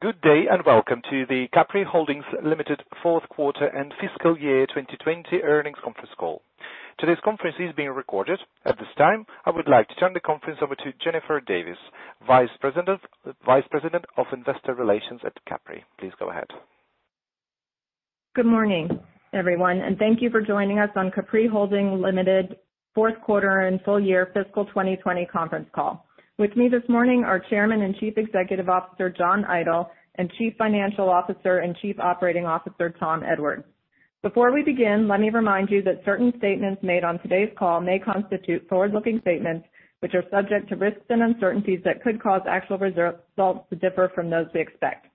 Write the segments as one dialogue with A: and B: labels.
A: Welcome to the Capri Holdings Limited fourth quarter and fiscal year 2020 earnings conference call. Today's conference is being recorded. At this time, I would like to turn the conference over to Jennifer Davis, Vice President of Investor Relations at Capri. Please go ahead.
B: Good morning, everyone, and thank you for joining us on Capri Holdings Limited fourth quarter and full year fiscal 2020 conference call. With me this morning are Chairman and Chief Executive Officer, John Idol, and Chief Financial Officer and Chief Operating Officer, Tom Edwards. Before we begin, let me remind you that certain statements made on today's call may constitute forward-looking statements, which are subject to risks and uncertainties that could cause actual results to differ from those we expect.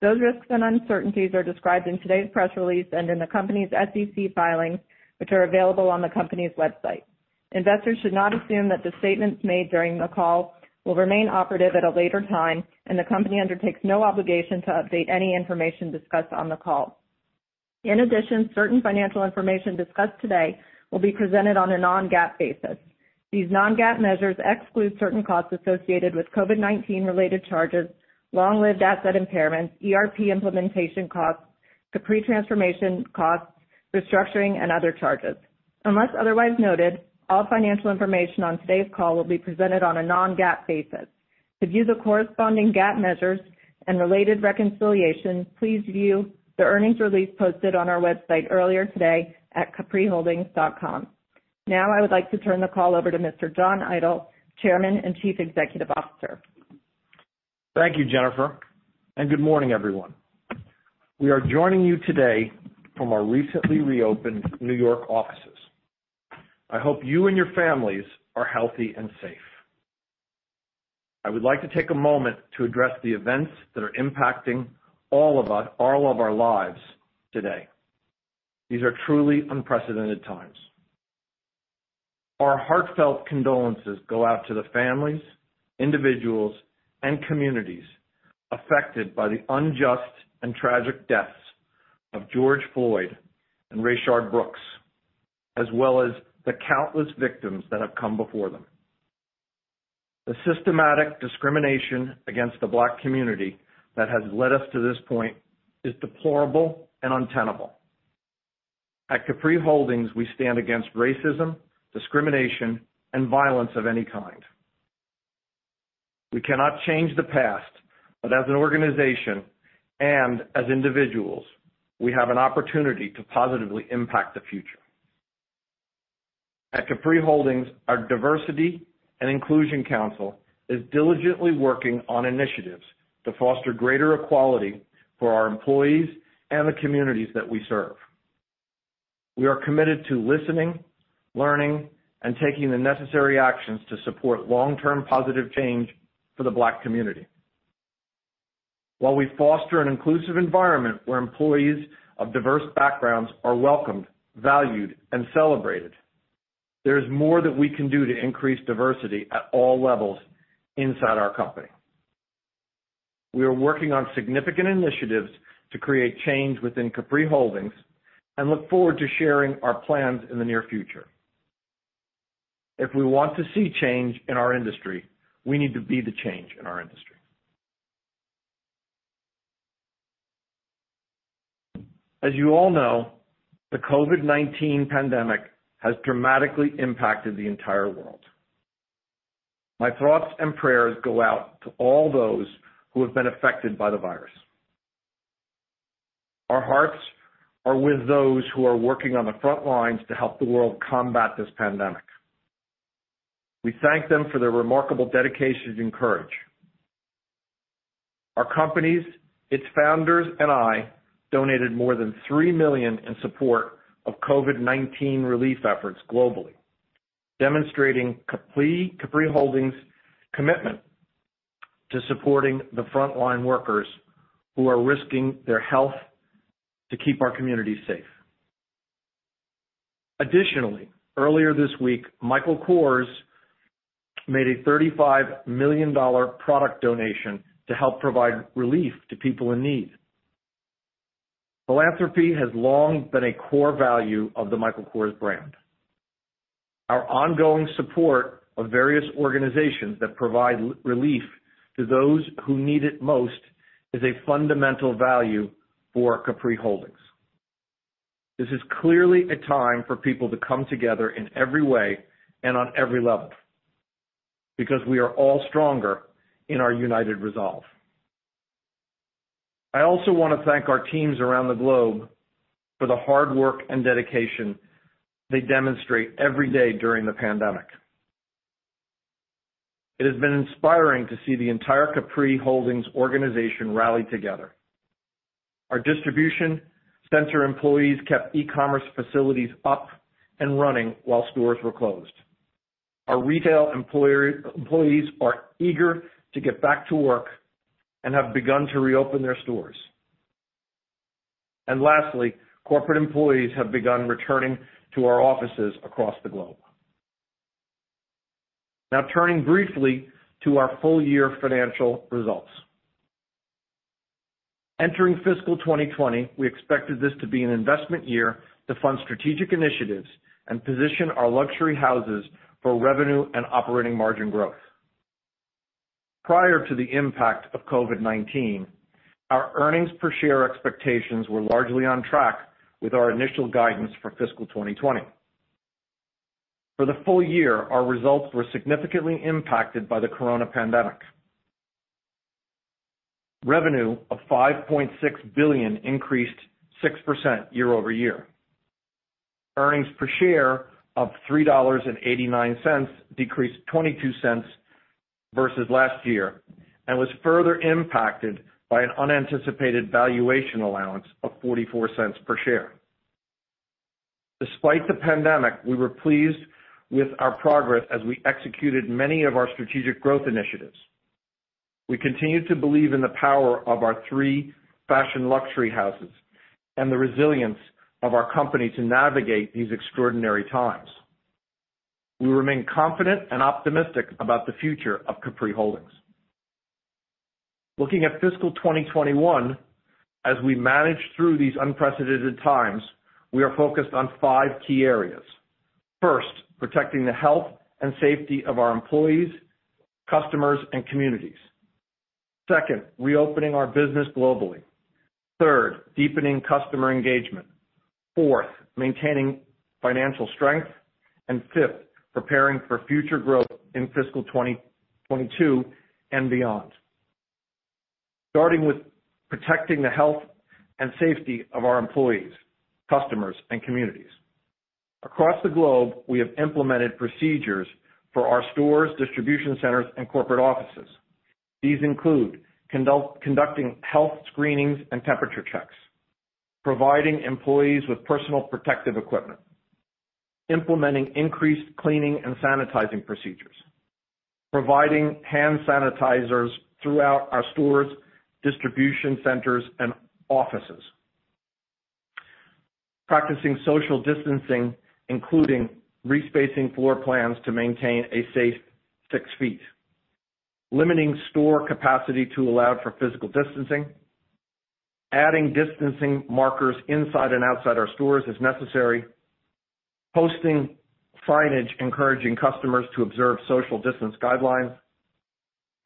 B: Those risks and uncertainties are described in today's press release and in the company's SEC filings, which are available on the company's website. Investors should not assume that the statements made during the call will remain operative at a later time, and the company undertakes no obligation to update any information discussed on the call. In addition, certain financial information discussed today will be presented on a non-GAAP basis. These non-GAAP measures exclude certain costs associated with COVID-19 related charges, long-lived asset impairments, ERP implementation costs, pre-transformation costs, restructuring, and other charges. Unless otherwise noted, all financial information on today's call will be presented on a non-GAAP basis. To view the corresponding GAAP measures and related reconciliations, please view the earnings release posted on our website earlier today at capriholdings.com. I would like to turn the call over to Mr. John Idol, Chairman and Chief Executive Officer.
C: Thank you, Jennifer. Good morning, everyone. We are joining you today from our recently reopened New York offices. I hope you and your families are healthy and safe. I would like to take a moment to address the events that are impacting all of our lives today. These are truly unprecedented times. Our heartfelt condolences go out to the families, individuals, and communities affected by the unjust and tragic deaths of George Floyd and Rayshard Brooks, as well as the countless victims that have come before them. The systematic discrimination against the Black community that has led us to this point is deplorable and untenable. At Capri Holdings, we stand against racism, discrimination, and violence of any kind. We cannot change the past, but as an organization and as individuals, we have an opportunity to positively impact the future. At Capri Holdings, our diversity and inclusion council is diligently working on initiatives to foster greater equality for our employees and the communities that we serve. We are committed to listening, learning, and taking the necessary actions to support long-term positive change for the Black community. While we foster an inclusive environment where employees of diverse backgrounds are welcomed, valued, and celebrated, there is more that we can do to increase diversity at all levels inside our company. We are working on significant initiatives to create change within Capri Holdings and look forward to sharing our plans in the near future. If we want to see change in our industry, we need to be the change in our industry. As you all know, the COVID-19 pandemic has dramatically impacted the entire world. My thoughts and prayers go out to all those who have been affected by the virus. Our hearts are with those who are working on the front lines to help the world combat this pandemic. We thank them for their remarkable dedication and courage. Our companies, its founders, and I donated more than $3 million in support of COVID-19 relief efforts globally, demonstrating Capri Holdings' commitment to supporting the frontline workers who are risking their health to keep our communities safe. Additionally, earlier this week, Michael Kors made a $35 million product donation to help provide relief to people in need. Philanthropy has long been a core value of the Michael Kors brand. Our ongoing support of various organizations that provide relief to those who need it most is a fundamental value for Capri Holdings. This is clearly a time for people to come together in every way and on every level because we are all stronger in our united resolve. I also want to thank our teams around the globe for the hard work and dedication they demonstrate every day during the pandemic. It has been inspiring to see the entire Capri Holdings organization rally together. Our distribution center employees kept e-commerce facilities up and running while stores were closed. Our retail employees are eager to get back to work and have begun to reopen their stores. Lastly, corporate employees have begun returning to our offices across the globe. Now turning briefly to our full year financial results. Entering fiscal 2020, we expected this to be an investment year to fund strategic initiatives and position our luxury houses for revenue and operating margin growth. Prior to the impact of COVID-19, our earnings per share expectations were largely on track with our initial guidance for fiscal 2020. For the full year, our results were significantly impacted by the corona pandemic. Revenue of $5.6 billion increased 6% year-over-year. Earnings per share of $3.89 decreased $0.22 versus last year, and was further impacted by an unanticipated valuation allowance of $0.44 per share. Despite the pandemic, we were pleased with our progress as we executed many of our strategic growth initiatives. We continue to believe in the power of our three fashion luxury houses and the resilience of our company to navigate these extraordinary times. We remain confident and optimistic about the future of Capri Holdings. Looking at fiscal 2021, as we manage through these unprecedented times, we are focused on five key areas. First, protecting the health and safety of our employees, customers, and communities. Second, reopening our business globally. Third, deepening customer engagement. Fourth, maintaining financial strength. Fifth, preparing for future growth in fiscal 2022 and beyond. Starting with protecting the health and safety of our employees, customers, and communities. Across the globe, we have implemented procedures for our stores, distribution centers, and corporate offices. These include conducting health screenings and temperature checks, providing employees with personal protective equipment, implementing increased cleaning and sanitizing procedures, providing hand sanitizers throughout our stores, distribution centers, and offices, practicing social distancing, including re-spacing floor plans to maintain a safe six feet, limiting store capacity to allow for physical distancing, adding distancing markers inside and outside our stores as necessary, posting signage encouraging customers to observe social distance guidelines,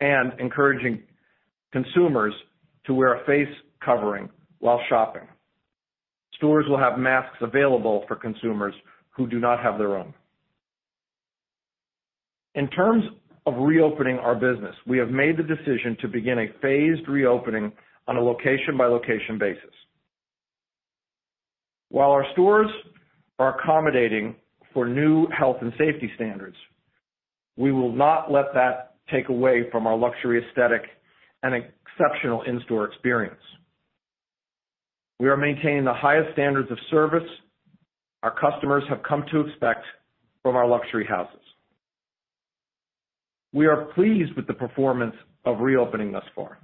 C: and encouraging consumers to wear a face covering while shopping. Stores will have masks available for consumers who do not have their own. In terms of reopening our business, we have made the decision to begin a phased reopening on a location-by-location basis. While our stores are accommodating for new health and safety standards, we will not let that take away from our luxury aesthetic and exceptional in-store experience. We are maintaining the highest standards of service our customers have come to expect from our luxury houses. We are pleased with the performance of reopening thus far.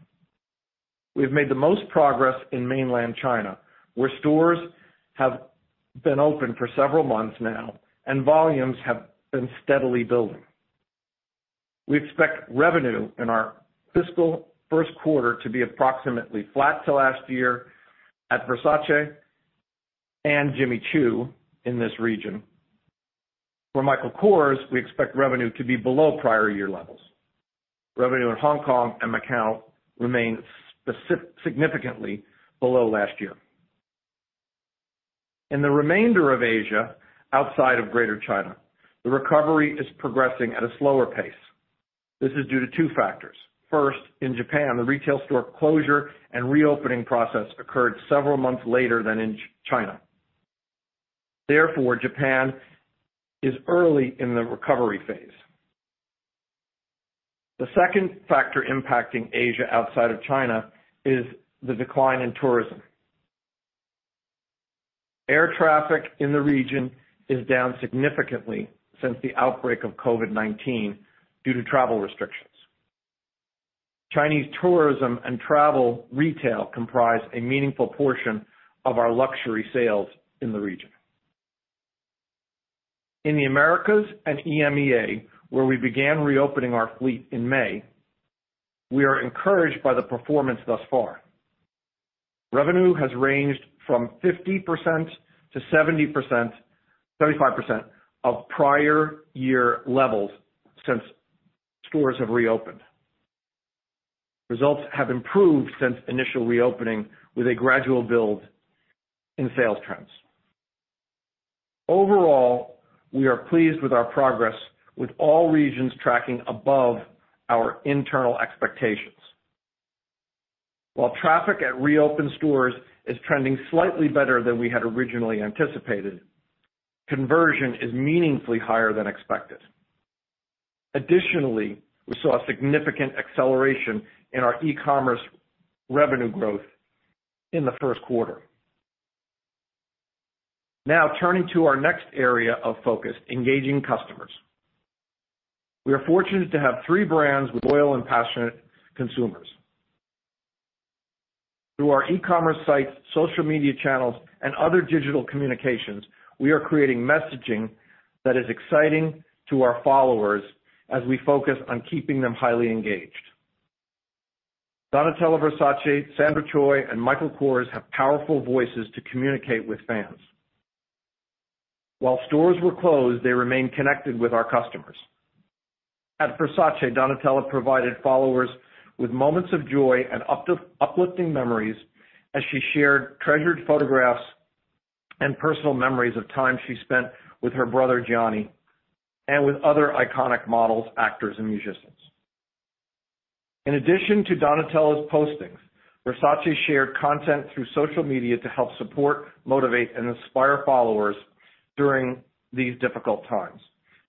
C: We have made the most progress in mainland China, where stores have been open for several months now, and volumes have been steadily building. We expect revenue in our fiscal first quarter to be approximately flat to last year at Versace and Jimmy Choo in this region. For Michael Kors, we expect revenue to be below prior year levels. Revenue in Hong Kong and Macau remains significantly below last year. In the remainder of Asia, outside of Greater China, the recovery is progressing at a slower pace. This is due to two factors. First, in Japan, the retail store closure and reopening process occurred several months later than in China. Therefore, Japan is early in the recovery phase. The second factor impacting Asia outside of China is the decline in tourism. Air traffic in the region is down significantly since the outbreak of COVID-19 due to travel restrictions. Chinese tourism and travel retail comprise a meaningful portion of our luxury sales in the region. In the Americas and EMEA, where we began reopening our fleet in May, we are encouraged by the performance thus far. Revenue has ranged from 50%-75% of prior year levels since stores have reopened. Results have improved since initial reopening, with a gradual build in sales trends. Overall, we are pleased with our progress with all regions tracking above our internal expectations. While traffic at reopened stores is trending slightly better than we had originally anticipated, conversion is meaningfully higher than expected. Additionally, we saw a significant acceleration in our e-commerce revenue growth in the first quarter. Turning to our next area of focus, engaging customers. We are fortunate to have three brands with loyal and passionate consumers. Through our e-commerce sites, social media channels, and other digital communications, we are creating messaging that is exciting to our followers as we focus on keeping them highly engaged. Donatella Versace, Sandra Choi, and Michael Kors have powerful voices to communicate with fans. While stores were closed, they remained connected with our customers. At Versace, Donatella provided followers with moments of joy and uplifting memories as she shared treasured photographs and personal memories of time she spent with her brother Gianni and with other iconic models, actors, and musicians. In addition to Donatella's postings, Versace shared content through social media to help support, motivate, and inspire followers during these difficult times,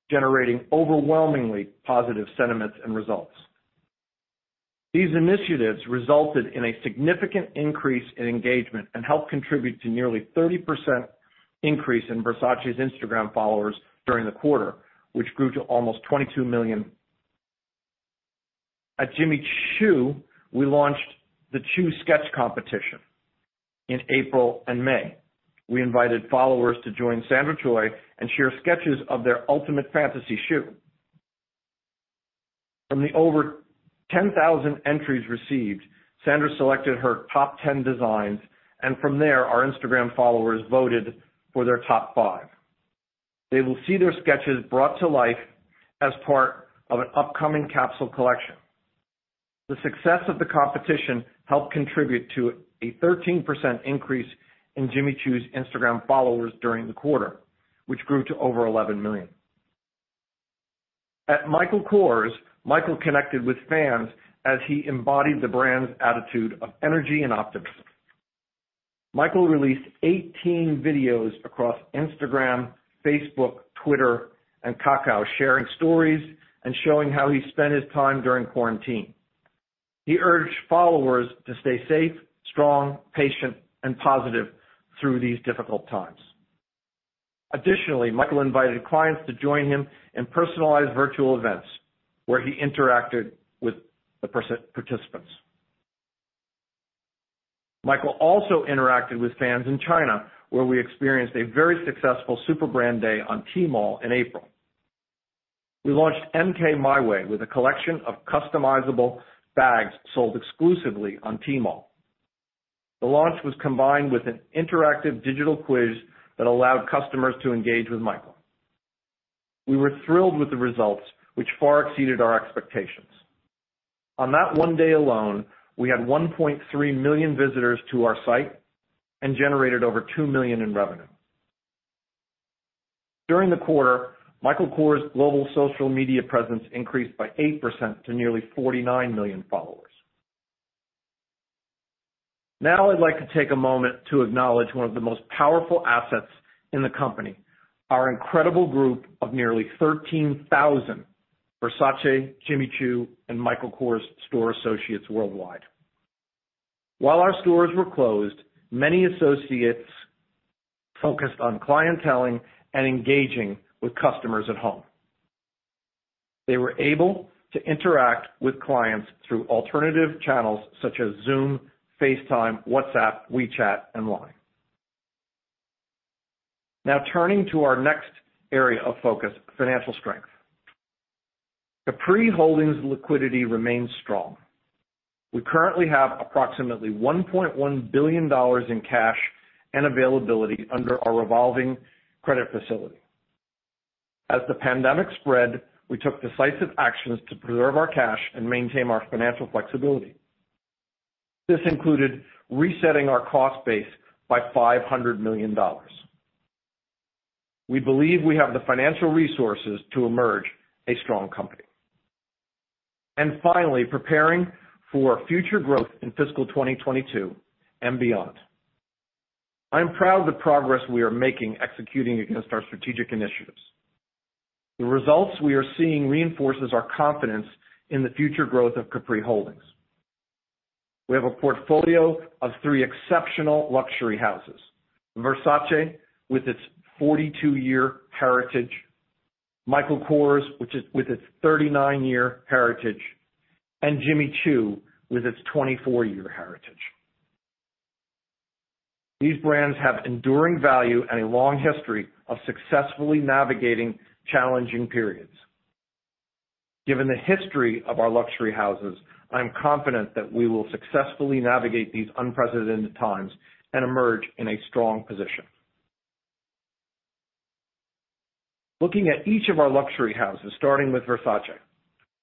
C: generating overwhelmingly positive sentiments and results. These initiatives resulted in a significant increase in engagement and helped contribute to nearly 30% increase in Versace's Instagram followers during the quarter, which grew to almost 22 million. At Jimmy Choo, we launched the Choo Sketch Competition in April and May. We invited followers to join Sandra Choi and share sketches of their ultimate fantasy shoe. From the over 10,000 entries received, Sandra selected her top 10 designs, and from there, our Instagram followers voted for their top five. They will see their sketches brought to life as part of an upcoming capsule collection. The success of the competition helped contribute to a 13% increase in Jimmy Choo's Instagram followers during the quarter, which grew to over 11 million. At Michael Kors, Michael connected with fans as he embodied the brand's attitude of energy and optimism. Michael released 18 videos across Instagram, Facebook, Twitter, and Kakao, sharing stories and showing how he spent his time during quarantine. He urged followers to stay safe, strong, patient, and positive through these difficult times. Additionally, Michael invited clients to join him in personalized virtual events where he interacted with the participants. Michael also interacted with fans in China, where we experienced a very successful super brand day on Tmall in April. We launched MK My Way with a collection of customizable bags sold exclusively on Tmall. The launch was combined with an interactive digital quiz that allowed customers to engage with Michael. We were thrilled with the results, which far exceeded our expectations. On that one day alone, we had 1.3 million visitors to our site and generated over $2 million in revenue. During the quarter, Michael Kors' global social media presence increased by 8% to nearly 49 million followers. I'd like to take a moment to acknowledge one of the most powerful assets in the company, our incredible group of nearly 13,000 Versace, Jimmy Choo, and Michael Kors store associates worldwide. While our stores were closed, many associates focused on clienteling and engaging with customers at home. They were able to interact with clients through alternative channels such as Zoom, FaceTime, WhatsApp, WeChat, and LINE. Turning to our next area of focus, financial strength. Capri Holdings liquidity remains strong. We currently have approximately $1.1 billion in cash and availability under our revolving credit facility. As the pandemic spread, we took decisive actions to preserve our cash and maintain our financial flexibility. This included resetting our cost base by $500 million. We believe we have the financial resources to emerge a strong company. Finally, preparing for future growth in fiscal 2022 and beyond. I am proud of the progress we are making executing against our strategic initiatives. The results we are seeing reinforces our confidence in the future growth of Capri Holdings. We have a portfolio of three exceptional luxury houses, Versace with its 42-year heritage, Michael Kors with its 39-year heritage, and Jimmy Choo with its 24-year heritage. These brands have enduring value and a long history of successfully navigating challenging periods. Given the history of our luxury houses, I am confident that we will successfully navigate these unprecedented times and emerge in a strong position. Looking at each of our luxury houses, starting with Versace,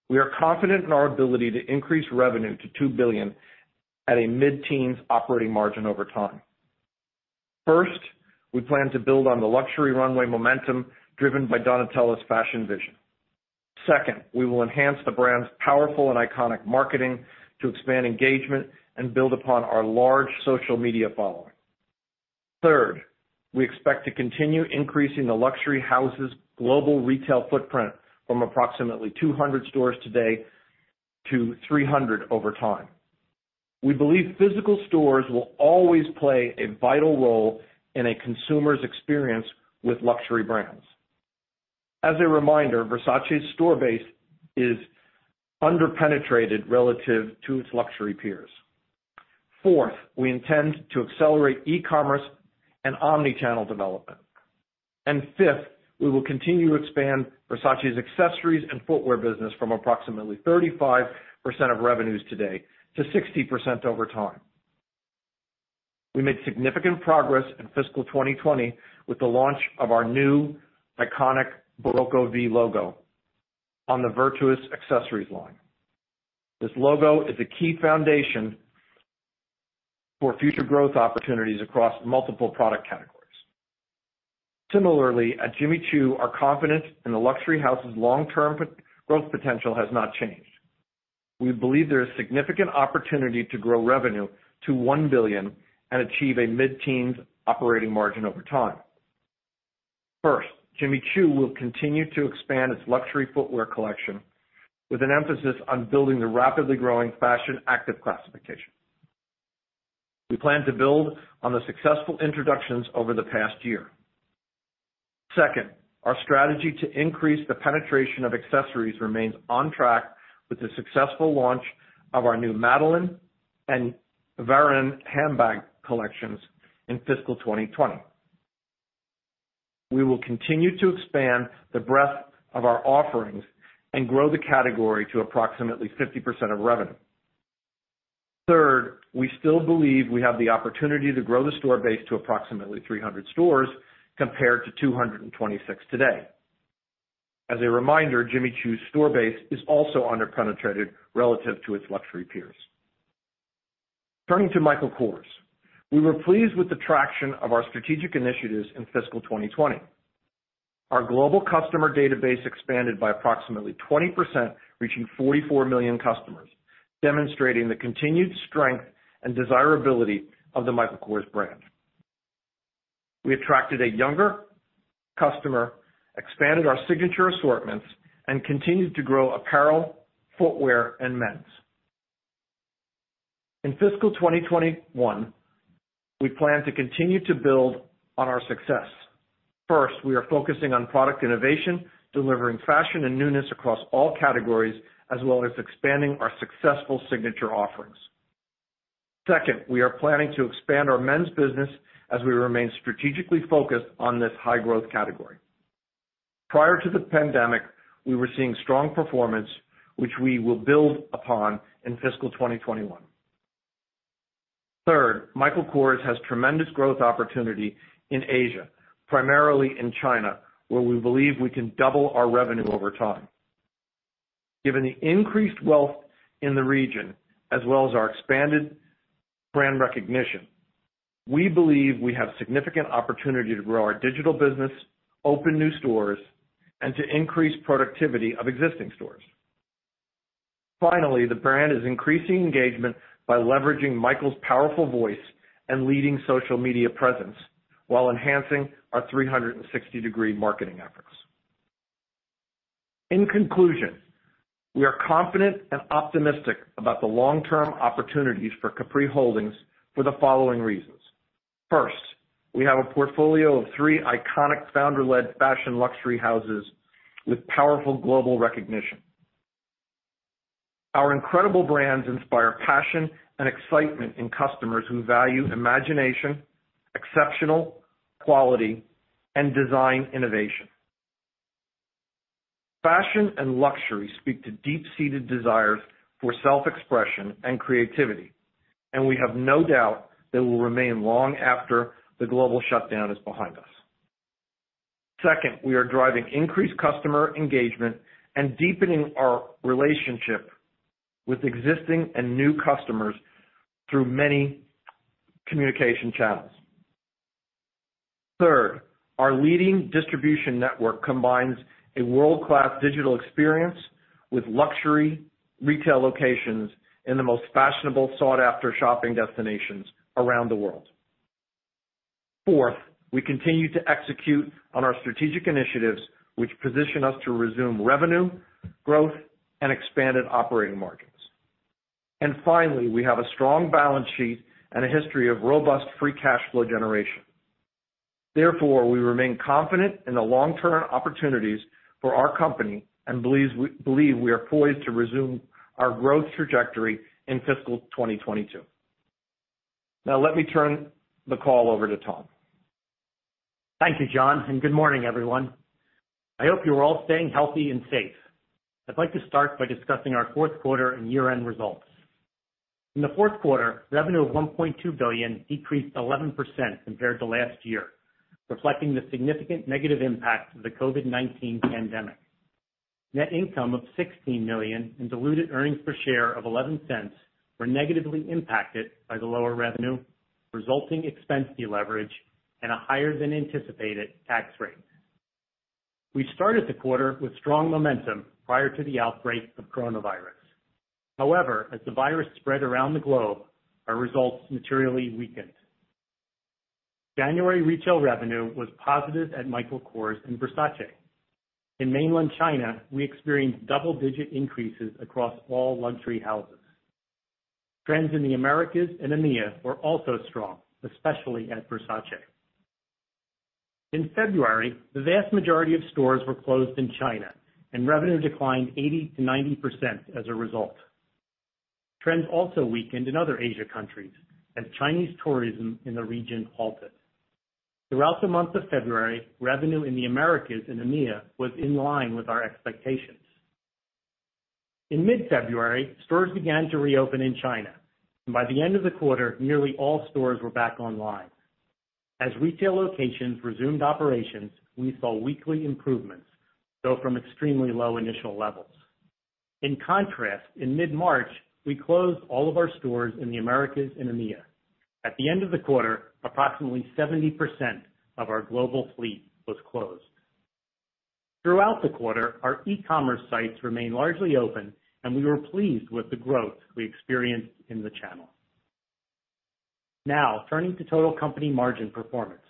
C: we are confident in our ability to increase revenue to $2 billion at a mid-teens operating margin over time. First, we plan to build on the luxury runway momentum driven by Donatella's fashion vision. Second, we will enhance the brand's powerful and iconic marketing to expand engagement and build upon our large social media following. Third, we expect to continue increasing the luxury house's global retail footprint from approximately 200 stores today to 300 over time. We believe physical stores will always play a vital role in a consumer's experience with luxury brands. As a reminder, Versace's store base is underpenetrated relative to its luxury peers. Fourth, we intend to accelerate e-commerce and omni-channel development. Fifth, we will continue to expand Versace's accessories and footwear business from approximately 35% of revenues today to 60% over time. We made significant progress in fiscal 2020 with the launch of our new iconic Barocco V logo on the Virtus accessories line. This logo is a key foundation for future growth opportunities across multiple product categories. Similarly, at Jimmy Choo, our confidence in the luxury house's long-term growth potential has not changed. We believe there is significant opportunity to grow revenue to $1 billion and achieve a mid-teens operating margin over time. First, Jimmy Choo will continue to expand its luxury footwear collection with an emphasis on building the rapidly growing fashion active classification. We plan to build on the successful introductions over the past year. Second, our strategy to increase the penetration of accessories remains on track with the successful launch of our new Madeline and Varenne handbag collections in fiscal 2020. We will continue to expand the breadth of our offerings and grow the category to approximately 50% of revenue. Third, we still believe we have the opportunity to grow the store base to approximately 300 stores compared to 226 today. As a reminder, Jimmy Choo's store base is also under-penetrated relative to its luxury peers. Turning to Michael Kors, we were pleased with the traction of our strategic initiatives in fiscal 2020. Our global customer database expanded by approximately 20%, reaching 44 million customers, demonstrating the continued strength and desirability of the Michael Kors brand. We attracted a younger customer, expanded our signature assortments, and continued to grow apparel, footwear, and men's. In fiscal 2021, we plan to continue to build on our success. First, we are focusing on product innovation, delivering fashion and newness across all categories, as well as expanding our successful signature offerings. We are planning to expand our men's business as we remain strategically focused on this high-growth category. Prior to the pandemic, we were seeing strong performance, which we will build upon in fiscal 2021. Michael Kors has tremendous growth opportunity in Asia, primarily in China, where we believe we can double our revenue over time. Given the increased wealth in the region, as well as our expanded brand recognition, we believe we have significant opportunity to grow our digital business, open new stores, and to increase productivity of existing stores. The brand is increasing engagement by leveraging Michael's powerful voice and leading social media presence while enhancing our 360-degree marketing efforts. We are confident and optimistic about the long-term opportunities for Capri Holdings for the following reasons. We have a portfolio of three iconic founder-led fashion luxury houses with powerful global recognition. Our incredible brands inspire passion and excitement in customers who value imagination, exceptional quality, and design innovation. Fashion and luxury speak to deep-seated desires for self-expression and creativity, and we have no doubt they will remain long after the global shutdown is behind us. Second, we are driving increased customer engagement and deepening our relationship with existing and new customers through many communication channels. Third, our leading distribution network combines a world-class digital experience with luxury retail locations in the most fashionable, sought-after shopping destinations around the world. Fourth, we continue to execute on our strategic initiatives, which position us to resume revenue growth and expanded operating margins. Finally, we have a strong balance sheet and a history of robust free cash flow generation. Therefore, we remain confident in the long-term opportunities for our company and believe we are poised to resume our growth trajectory in fiscal 2022. Now, let me turn the call over to Tom.
D: Thank you, John, and good morning, everyone. I hope you are all staying healthy and safe. I'd like to start by discussing our fourth quarter and year-end results. In the fourth quarter, revenue of $1.2 billion decreased 11% compared to last year, reflecting the significant negative impact of the COVID-19 pandemic. Net income of $16 million and diluted earnings per share of $0.11 were negatively impacted by the lower revenue, resulting expense deleverage, and a higher than anticipated tax rate. We started the quarter with strong momentum prior to the outbreak of coronavirus. As the virus spread around the globe, our results materially weakened. January retail revenue was positive at Michael Kors and Versace. In mainland China, we experienced double-digit increases across all luxury houses. Trends in the Americas and EMEA were also strong, especially at Versace. In February, the vast majority of stores were closed in China, revenue declined 80%-90% as a result. Trends also weakened in other Asia countries as Chinese tourism in the region halted. Throughout the month of February, revenue in the Americas and EMEA was in line with our expectations. In mid-February, stores began to reopen in China, by the end of the quarter, nearly all stores were back online. As retail locations resumed operations, we saw weekly improvements, though from extremely low initial levels. In contrast, in mid-March, we closed all of our stores in the Americas and EMEA. At the end of the quarter, approximately 70% of our global fleet was closed. Throughout the quarter, our e-commerce sites remained largely open, we were pleased with the growth we experienced in the channel. Now turning to total company margin performance.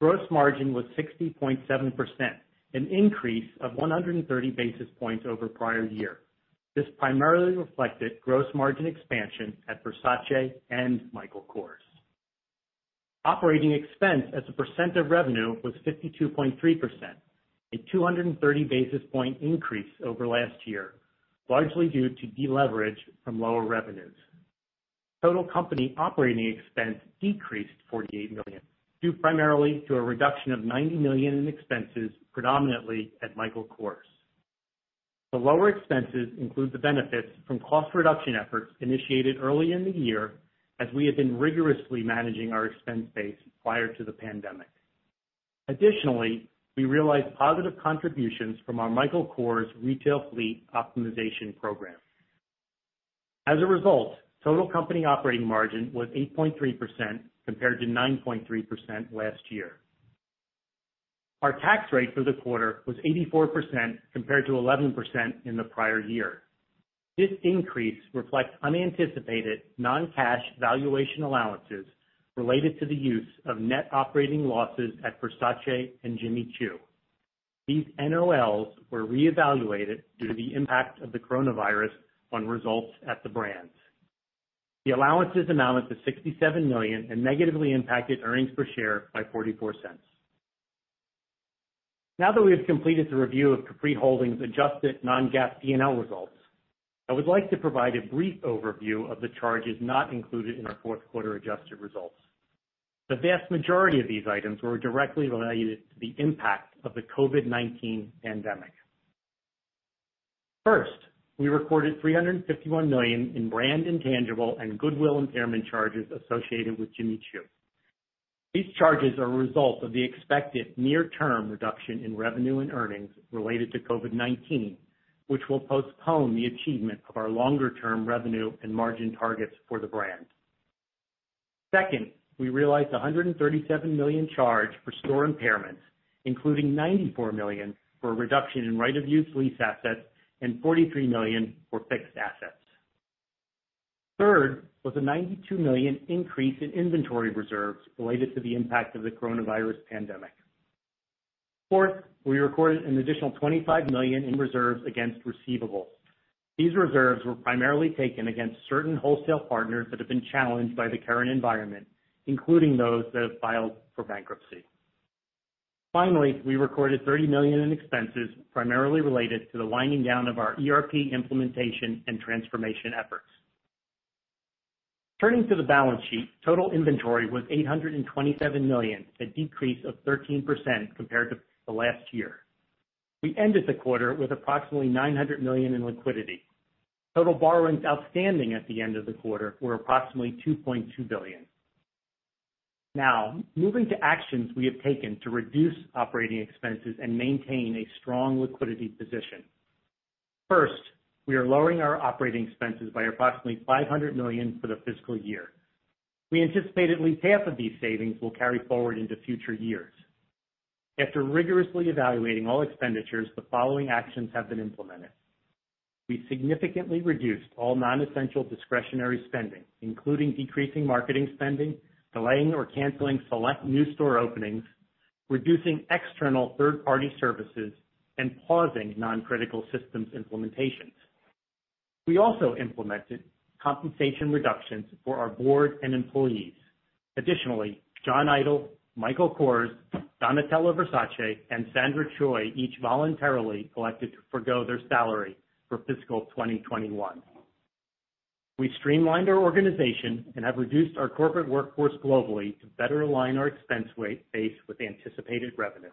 D: Gross margin was 60.7%, an increase of 130 basis points over prior year. This primarily reflected gross margin expansion at Versace and Michael Kors. Operating expense as a percent of revenue was 52.3%, a 230 basis point increase over last year, largely due to deleverage from lower revenues. Total company operating expense decreased $48 million, due primarily to a reduction of $90 million in expenses, predominantly at Michael Kors. The lower expenses include the benefits from cost reduction efforts initiated early in the year, as we had been rigorously managing our expense base prior to the pandemic. Additionally, we realized positive contributions from our Michael Kors retail fleet optimization program. As a result, total company operating margin was 8.3% compared to 9.3% last year. Our tax rate for the quarter was 84% compared to 11% in the prior year. This increase reflects unanticipated non-cash valuation allowances related to the use of net operating losses at Versace and Jimmy Choo. These NOLs were reevaluated due to the impact of the COVID-19 on results at the brands. The allowances amounted to $67 million and negatively impacted earnings per share by $0.44. Now that we have completed the review of Capri Holdings adjusted non-GAAP P&L results, I would like to provide a brief overview of the charges not included in our fourth quarter adjusted results. The vast majority of these items were directly related to the impact of the COVID-19 pandemic. First, we recorded $351 million in brand intangible and goodwill impairment charges associated with Jimmy Choo. These charges are a result of the expected near-term reduction in revenue and earnings related to COVID-19, which will postpone the achievement of our longer-term revenue and margin targets for the brand. Second, we realized a $137 million charge for store impairments, including $94 million for a reduction in right of use lease assets and $43 million for fixed assets. Third was a $92 million increase in inventory reserves related to the impact of the COVID-19. Fourth, we recorded an additional $25 million in reserves against receivables. These reserves were primarily taken against certain wholesale partners that have been challenged by the current environment, including those that have filed for bankruptcy. Finally, we recorded $30 million in expenses, primarily related to the winding down of our ERP implementation and transformation efforts. Turning to the balance sheet, total inventory was $827 million, a decrease of 13% compared to the last year. We ended the quarter with approximately $900 million in liquidity. Total borrowings outstanding at the end of the quarter were approximately $2.2 billion. Moving to actions we have taken to reduce operating expenses and maintain a strong liquidity position. We are lowering our operating expenses by approximately $500 million for the fiscal year. We anticipate at least half of these savings will carry forward into future years. After rigorously evaluating all expenditures, the following actions have been implemented. We significantly reduced all non-essential discretionary spending, including decreasing marketing spending, delaying or canceling select new store openings, reducing external third-party services, and pausing non-critical systems implementations. We also implemented compensation reductions for our board and employees. John Idol, Michael Kors, Donatella Versace, and Sandra Choi each voluntarily elected to forgo their salary for fiscal 2021. We streamlined our organization and have reduced our corporate workforce globally to better align our expense base with anticipated revenue.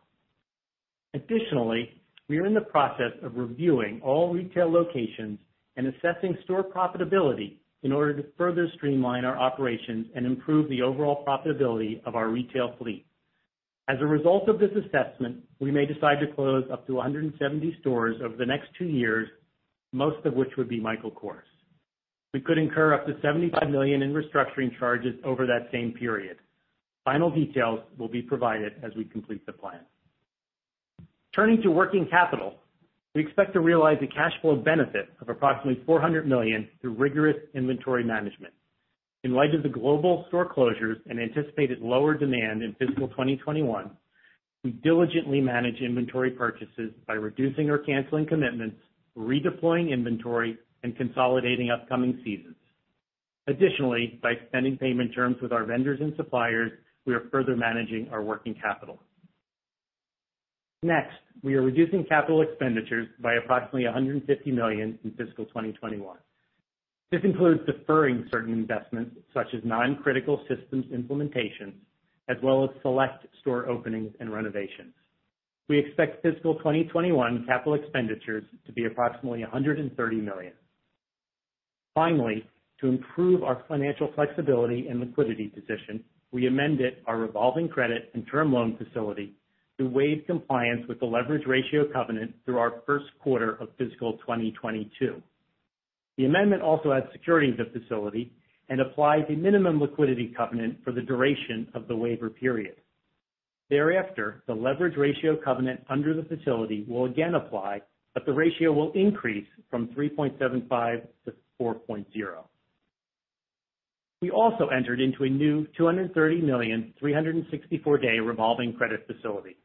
D: Additionally, we are in the process of reviewing all retail locations and assessing store profitability in order to further streamline our operations and improve the overall profitability of our retail fleet. As a result of this assessment, we may decide to close up to 170 stores over the next two years, most of which would be Michael Kors. We could incur up to $75 million in restructuring charges over that same period. Final details will be provided as we complete the plan. Turning to working capital, we expect to realize a cash flow benefit of approximately $400 million through rigorous inventory management. In light of the global store closures and anticipated lower demand in fiscal 2021, we diligently manage inventory purchases by reducing or canceling commitments, redeploying inventory, and consolidating upcoming seasons. Additionally, by extending payment terms with our vendors and suppliers, we are further managing our working capital. Next, we are reducing capital expenditures by approximately $150 million in FY 2021. This includes deferring certain investments, such as non-critical systems implementations, as well as select store openings and renovations. We expect FY 2021 capital expenditures to be approximately $130 million. Finally, to improve our financial flexibility and liquidity position, we amended our revolving credit and term loan facility to waive compliance with the leverage ratio covenant through our first quarter of FY 2022. The amendment also adds security to the facility and applies a minimum liquidity covenant for the duration of the waiver period. Thereafter, the leverage ratio covenant under the facility will again apply, but the ratio will increase from 3.75 to 4.0. We also entered into a new $230 million, 364-day revolving credit facility.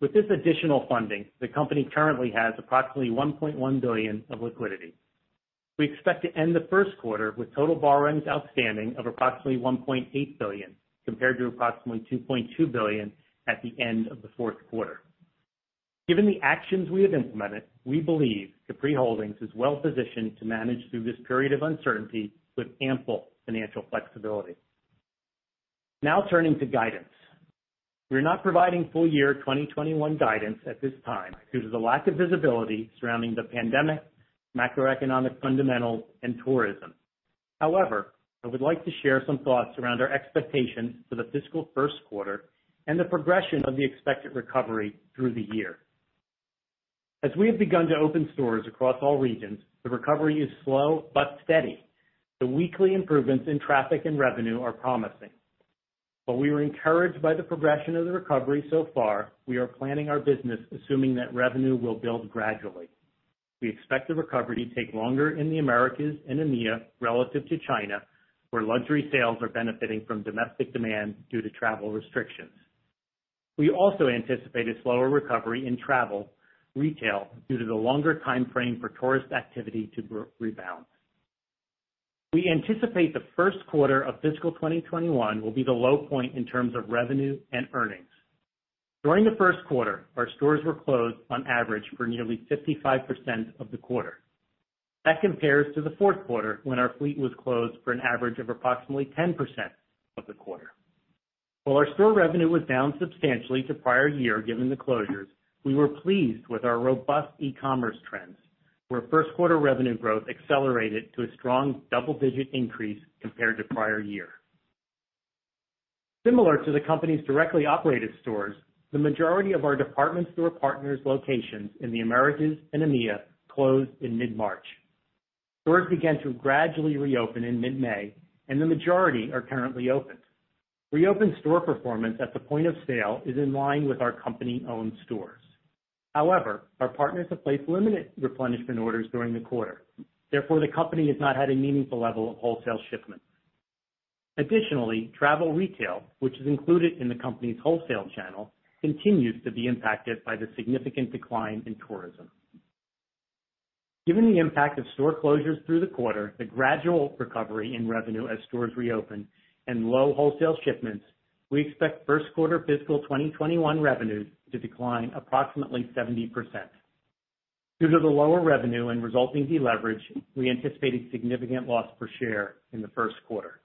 D: With this additional funding, the company currently has approximately $1.1 billion of liquidity. We expect to end the first quarter with total borrowings outstanding of approximately $1.8 billion, compared to approximately $2.2 billion at the end of the fourth quarter. Given the actions we have implemented, we believe Capri Holdings is well-positioned to manage through this period of uncertainty with ample financial flexibility. Turning to guidance. We are not providing full year 2021 guidance at this time due to the lack of visibility surrounding the pandemic, macroeconomic fundamentals, and tourism. I would like to share some thoughts around our expectations for the fiscal first quarter and the progression of the expected recovery through the year. As we have begun to open stores across all regions, the recovery is slow but steady. The weekly improvements in traffic and revenue are promising. While we were encouraged by the progression of the recovery so far, we are planning our business assuming that revenue will build gradually. We expect the recovery to take longer in the Americas and EMEA relative to China, where luxury sales are benefiting from domestic demand due to travel restrictions. We also anticipate a slower recovery in travel retail due to the longer timeframe for tourist activity to rebound. We anticipate the first quarter of fiscal 2021 will be the low point in terms of revenue and earnings. During the first quarter, our stores were closed on average for nearly 55% of the quarter. That compares to the fourth quarter, when our fleet was closed for an average of approximately 10% of the quarter. While our store revenue was down substantially to prior year given the closures, we were pleased with our robust e-commerce trends, where first quarter revenue growth accelerated to a strong double-digit increase compared to prior year. Similar to the company's directly operated stores, the majority of our department store partners' locations in the Americas and EMEA closed in mid-March. Stores began to gradually reopen in mid-May, and the majority are currently open. Reopened store performance at the point of sale is in line with our company-owned stores. However, our partners have placed limited replenishment orders during the quarter. Therefore, the company has not had a meaningful level of wholesale shipments. Additionally, travel retail, which is included in the company's wholesale channel, continues to be impacted by the significant decline in tourism. Given the impact of store closures through the quarter, the gradual recovery in revenue as stores reopen, and low wholesale shipments, we expect first quarter fiscal 2021 revenues to decline approximately 70%. Due to the lower revenue and resulting deleverage, we anticipate a significant loss per share in the first quarter.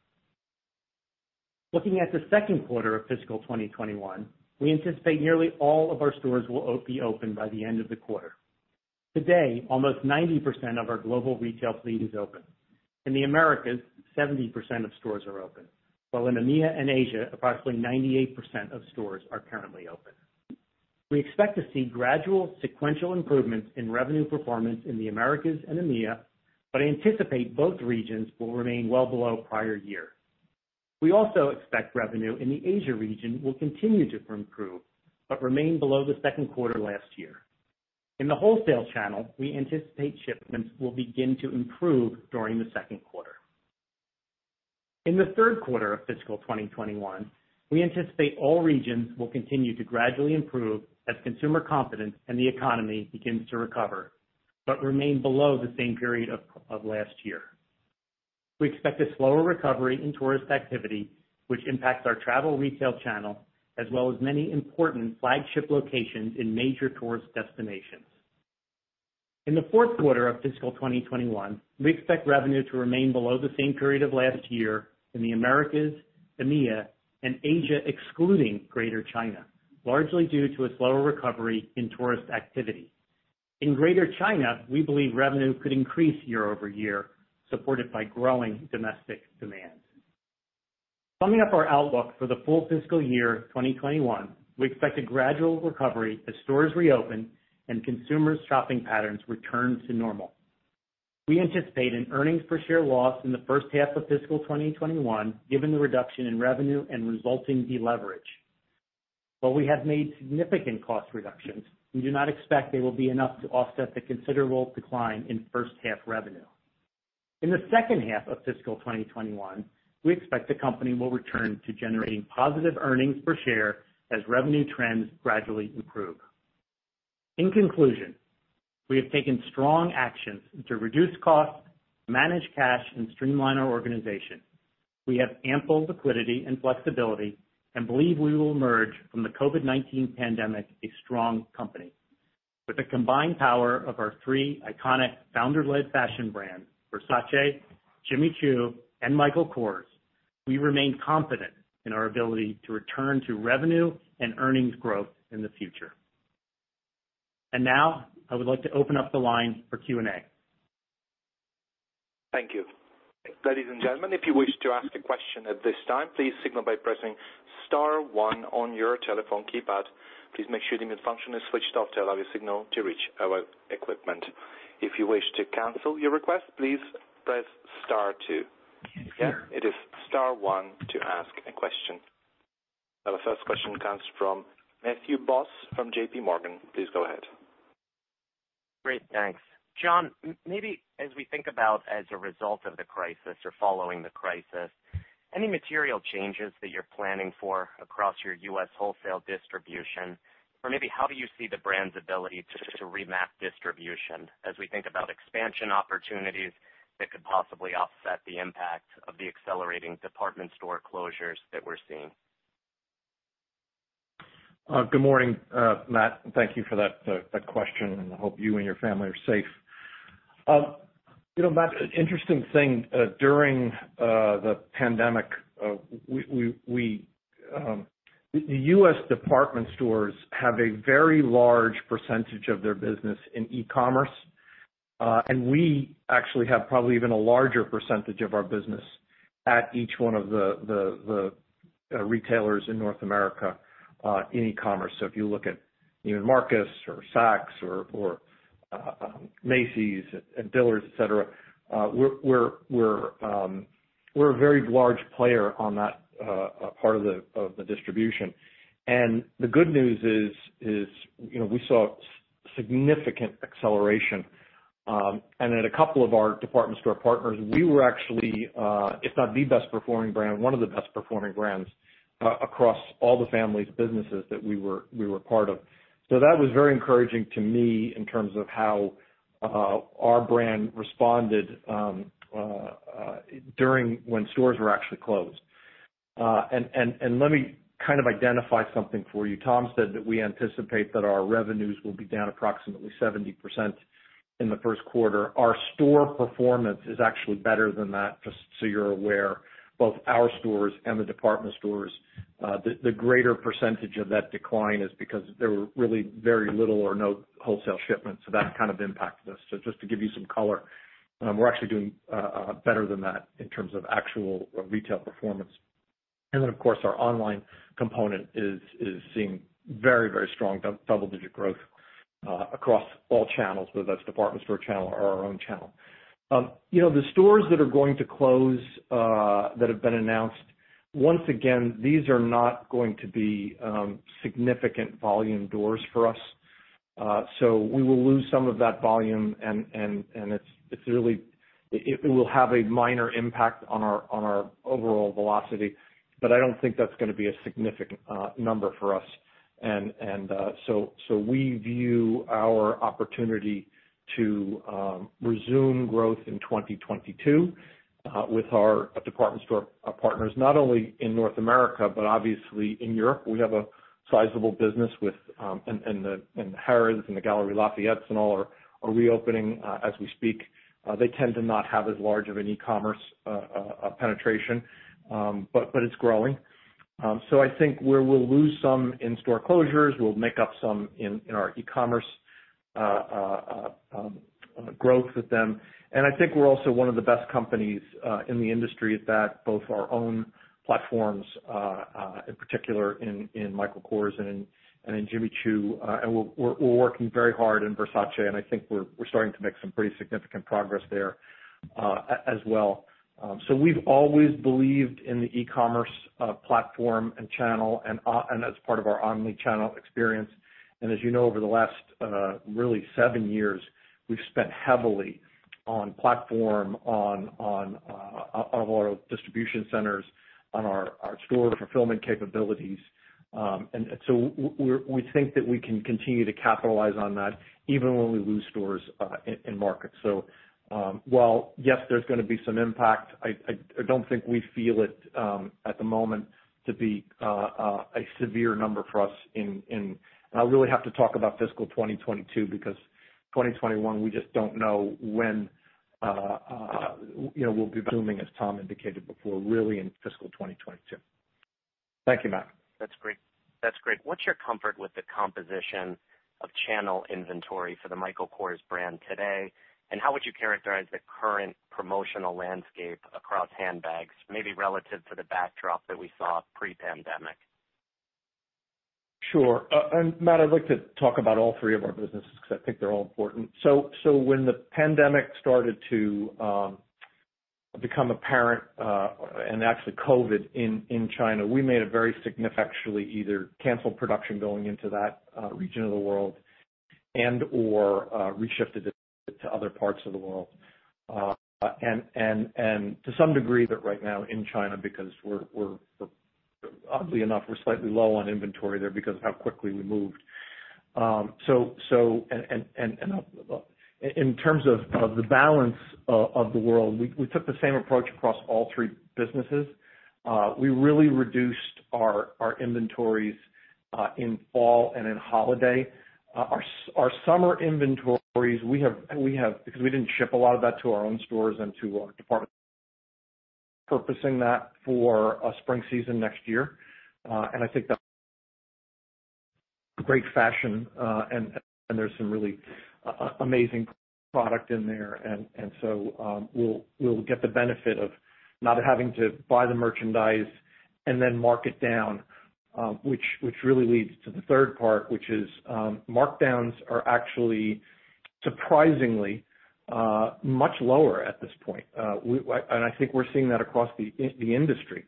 D: Looking at the second quarter of fiscal 2021, we anticipate nearly all of our stores will be open by the end of the quarter. Today, almost 90% of our global retail fleet is open. In the Americas, 70% of stores are open, while in EMEA and Asia, approximately 98% of stores are currently open. We expect to see gradual sequential improvements in revenue performance in the Americas and EMEA, but anticipate both regions will remain well below prior year. We also expect revenue in the Asia region will continue to improve but remain below the second quarter last year. In the wholesale channel, we anticipate shipments will begin to improve during the second quarter. In the third quarter of fiscal 2021, we anticipate all regions will continue to gradually improve as consumer confidence and the economy begins to recover, but remain below the same period of last year. We expect a slower recovery in tourist activity, which impacts our travel retail channel, as well as many important flagship locations in major tourist destinations. In the fourth quarter of fiscal 2021, we expect revenue to remain below the same period of last year in the Americas, EMEA, and Asia excluding Greater China, largely due to a slower recovery in tourist activity. In Greater China, we believe revenue could increase year-over-year, supported by growing domestic demand. Summing up our outlook for the full fiscal year 2021, we expect a gradual recovery as stores reopen and consumers' shopping patterns return to normal. We anticipate an earnings per share loss in the first half of fiscal 2021, given the reduction in revenue and resulting deleverage. While we have made significant cost reductions, we do not expect they will be enough to offset the considerable decline in first half revenue. In the second half of fiscal 2021, we expect the company will return to generating positive earnings per share as revenue trends gradually improve. In conclusion, we have taken strong actions to reduce costs, manage cash, and streamline our organization. We have ample liquidity and flexibility and believe we will emerge from the COVID-19 pandemic a strong company. With the combined power of our three iconic founder-led fashion brands, Versace, Jimmy Choo, and Michael Kors, we remain confident in our ability to return to revenue and earnings growth in the future. Now I would like to open up the line for Q&A.
A: Thank you. Ladies and gentlemen, if you wish to ask a question at this time, please signal by pressing star one on your telephone keypad. Please make sure the mute function is switched off to allow your signal to reach our equipment. If you wish to cancel your request, please press star two. Again, it is star one to ask a question. Our first question comes from Matthew Boss from JPMorgan. Please go ahead.
E: Great. Thanks. John, maybe as we think about as a result of the crisis or following the crisis, any material changes that you're planning for across your U.S. wholesale distribution? Maybe how do you see the brand's ability to remap distribution as we think about expansion opportunities that could possibly offset the impact of the accelerating department store closures that we're seeing?
C: Good morning, Matt. Thank you for that question. I hope you and your family are safe. Matt, interesting thing during the pandemic, the U.S. department stores have a very large percentage of their business in e-commerce. We actually have probably even a larger percentage of our business at each one of the retailers in North America in e-commerce. If you look at Neiman Marcus or Saks or Macy's and Dillard's, et cetera, we are a very large player on that part of the distribution. The good news is we saw significant acceleration. At a couple of our department store partners, we were actually, if not the best performing brand, one of the best performing brands across all the family's businesses that we were part of. That was very encouraging to me in terms of how our brand responded when stores were actually closed. Let me identify something for you. Tom said that we anticipate that our revenues will be down approximately 70% in the first quarter. Our store performance is actually better than that, just so you're aware, both our stores and the department stores. The greater percentage of that decline is because there were really very little or no wholesale shipments, so that impacted us. Just to give you some color. We're actually doing better than that in terms of actual retail performance. Then, of course, our online component is seeing very strong double-digit growth across all channels, whether that's department store channel or our own channel. The stores that are going to close that have been announced, once again, these are not going to be significant volume doors for us. We will lose some of that volume, and it will have a minor impact on our overall velocity, but I don't think that's going to be a significant number for us. We view our opportunity to resume growth in 2022 with our department store partners, not only in North America, but obviously in Europe. We have a sizable business with Harrods and the Galeries Lafayette and all are reopening as we speak. They tend to not have as large of an e-commerce penetration, but it's growing. I think we'll lose some in store closures. We'll make up some in our e-commerce growth with them. I think we're also one of the best companies in the industry at that, both our own platforms, in particular in Michael Kors and in Jimmy Choo. We're working very hard in Versace, and I think we're starting to make some pretty significant progress there as well. We've always believed in the e-commerce platform and channel, and as part of our omni-channel experience. As you know over the last really seven years, we've spent heavily on platform, on our distribution centers, on our store fulfillment capabilities. We think that we can continue to capitalize on that even when we lose stores in markets. While, yes, there's going to be some impact, I don't think we feel it at the moment to be a severe number for us, and I really have to talk about fiscal 2022 because 2021, we just don't know when we'll be booming, as Tom indicated before, really in fiscal 2022. Thank you, Matt.
E: That's great. What's your comfort with the composition of channel inventory for the Michael Kors brand today, and how would you characterize the current promotional landscape across handbags, maybe relative to the backdrop that we saw pre-pandemic?
C: Sure. Matthew, I'd like to talk about all three of our businesses because I think they're all important. When the pandemic started to become apparent, actually COVID-19 in China, we actually either canceled production going into that region of the world and/or re-shifted it to other parts of the world. To some degree right now in China because we're. Oddly enough, we're slightly low on inventory there because of how quickly we moved. In terms of the balance of the world, we took the same approach across all three businesses. We really reduced our inventories in fall and in holiday. Our summer inventories, because we didn't ship a lot of that to our own stores and to our [department purposing] that for a spring season next year. I think that great fashion, and there's some really amazing product in there. We'll get the benefit of not having to buy the merchandise and then mark it down, which really leads to the third part, which is markdowns are actually surprisingly, much lower at this point. I think we're seeing that across the industry.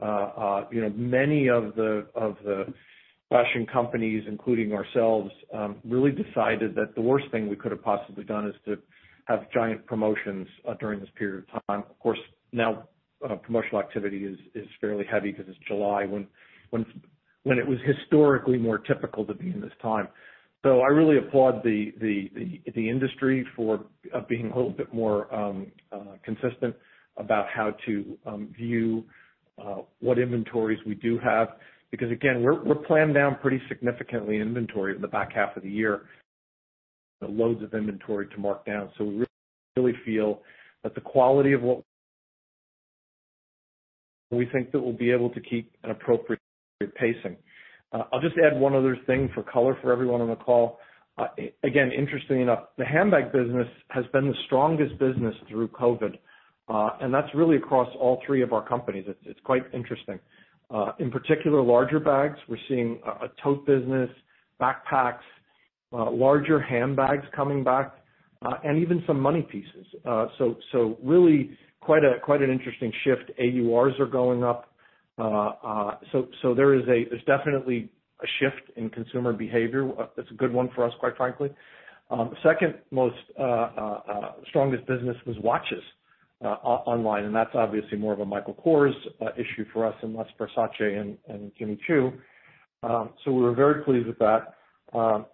C: Many of the fashion companies, including ourselves really decided that the worst thing we could have possibly done is to have giant promotions during this period of time. Of course, now promotional activity is fairly heavy because it's July when it was historically more typical to be in this time. I really applaud the industry for being a little bit more consistent about how to view what inventories we do have. Again, we're planned down pretty significantly inventory in the back half of the year. Loads of inventory to mark down. We really feel that the quality of what we think that we'll be able to keep an appropriate pacing. I'll just add one other thing for color for everyone on the call. Interestingly enough, the handbag business has been the strongest business through COVID, and that's really across all three of our companies. It's quite interesting. In particular, larger bags, we're seeing a tote business, backpacks, larger handbags coming back, and even some money pieces. Really quite an interesting shift. AURs are going up. There's definitely a shift in consumer behavior. It's a good one for us, quite frankly. Second most strongest business was watches online, and that's obviously more of a Michael Kors issue for us and less Versace and Jimmy Choo. We were very pleased with that. Of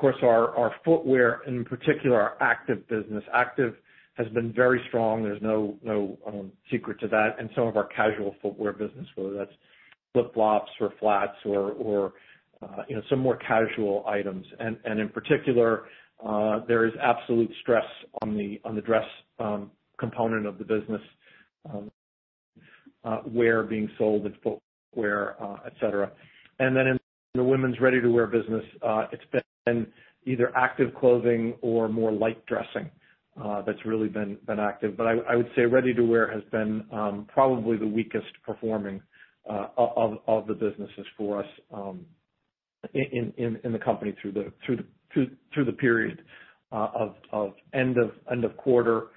C: course our footwear, in particular our active business. Active has been very strong. There's no secret to that. Some of our casual footwear business, whether that's flip-flops or flats or some more casual items. In particular, there is absolute stress on the dress component of the business, wear being sold and footwear, et cetera. In the women's ready-to-wear business, it's been either active clothing or more light dressing that's really been active. I would say ready-to-wear has been probably the weakest performing of the businesses for us in the company through the period of end of quarter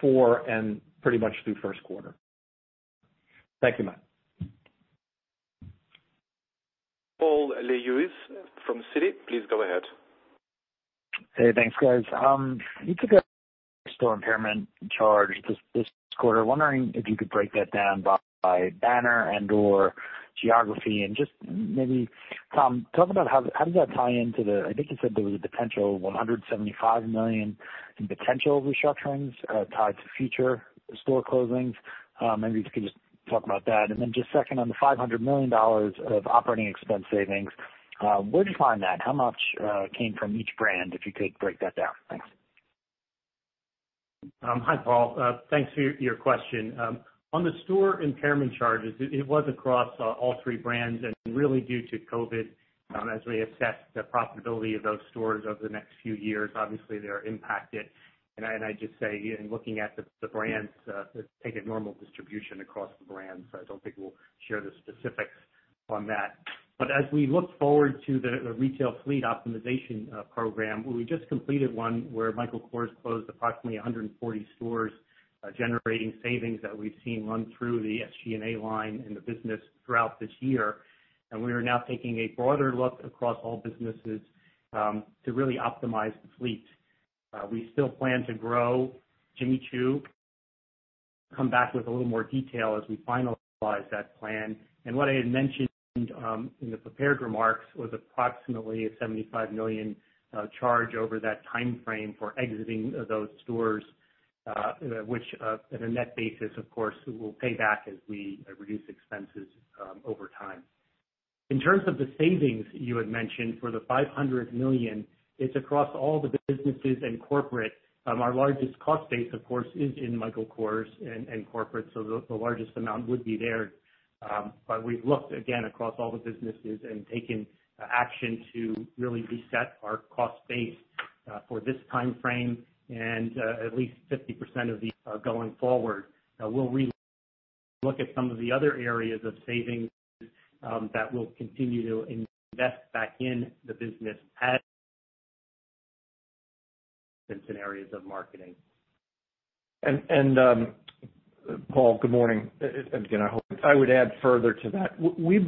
C: four and pretty much through first quarter. Thank you, Matt.
A: Paul Lejuez from Citi, please go ahead.
F: Hey, thanks, guys. You took a store impairment charge this quarter. Wondering if you could break that down by banner and/or geography and just maybe, Tom, talk about how does that tie into the, I think you said there was a potential $175 million in potential restructurings tied to future store closings. Maybe if you could just talk about that. Then just second on the $500 million of operating expense savings, where did you find that? How much came from each brand, if you could break that down? Thanks.
D: Hi, Paul. Thanks for your question. On the store impairment charges, it was across all three brands and really due to COVID as we assess the profitability of those stores over the next few years, obviously they are impacted. I'd just say in looking at the brands, take a normal distribution across the brands. I don't think we'll share the specifics on that. As we look forward to the retail fleet optimization program, we just completed one where Michael Kors closed approximately 140 stores, generating savings that we've seen run through the SG&A line in the business throughout this year. We are now taking a broader look across all businesses to really optimize the fleet. We still plan to grow Jimmy Choo, come back with a little more detail as we finalize that plan. What I had mentioned in the prepared remarks was approximately a $75 million charge over that timeframe for exiting those stores, which, at a net basis, of course, will pay back as we reduce expenses over time. In terms of the savings you had mentioned for the $500 million, it's across all the businesses and corporate. Our largest cost base, of course, is in Michael Kors and corporate, so the largest amount would be there. We've looked again across all the businesses and taken action to really reset our cost base for this timeframe and at least 50% of these going forward. We'll re-look at some of the other areas of savings that we'll continue to invest back in the business as areas of marketing.
C: Paul, good morning. Again, I would add further to that, we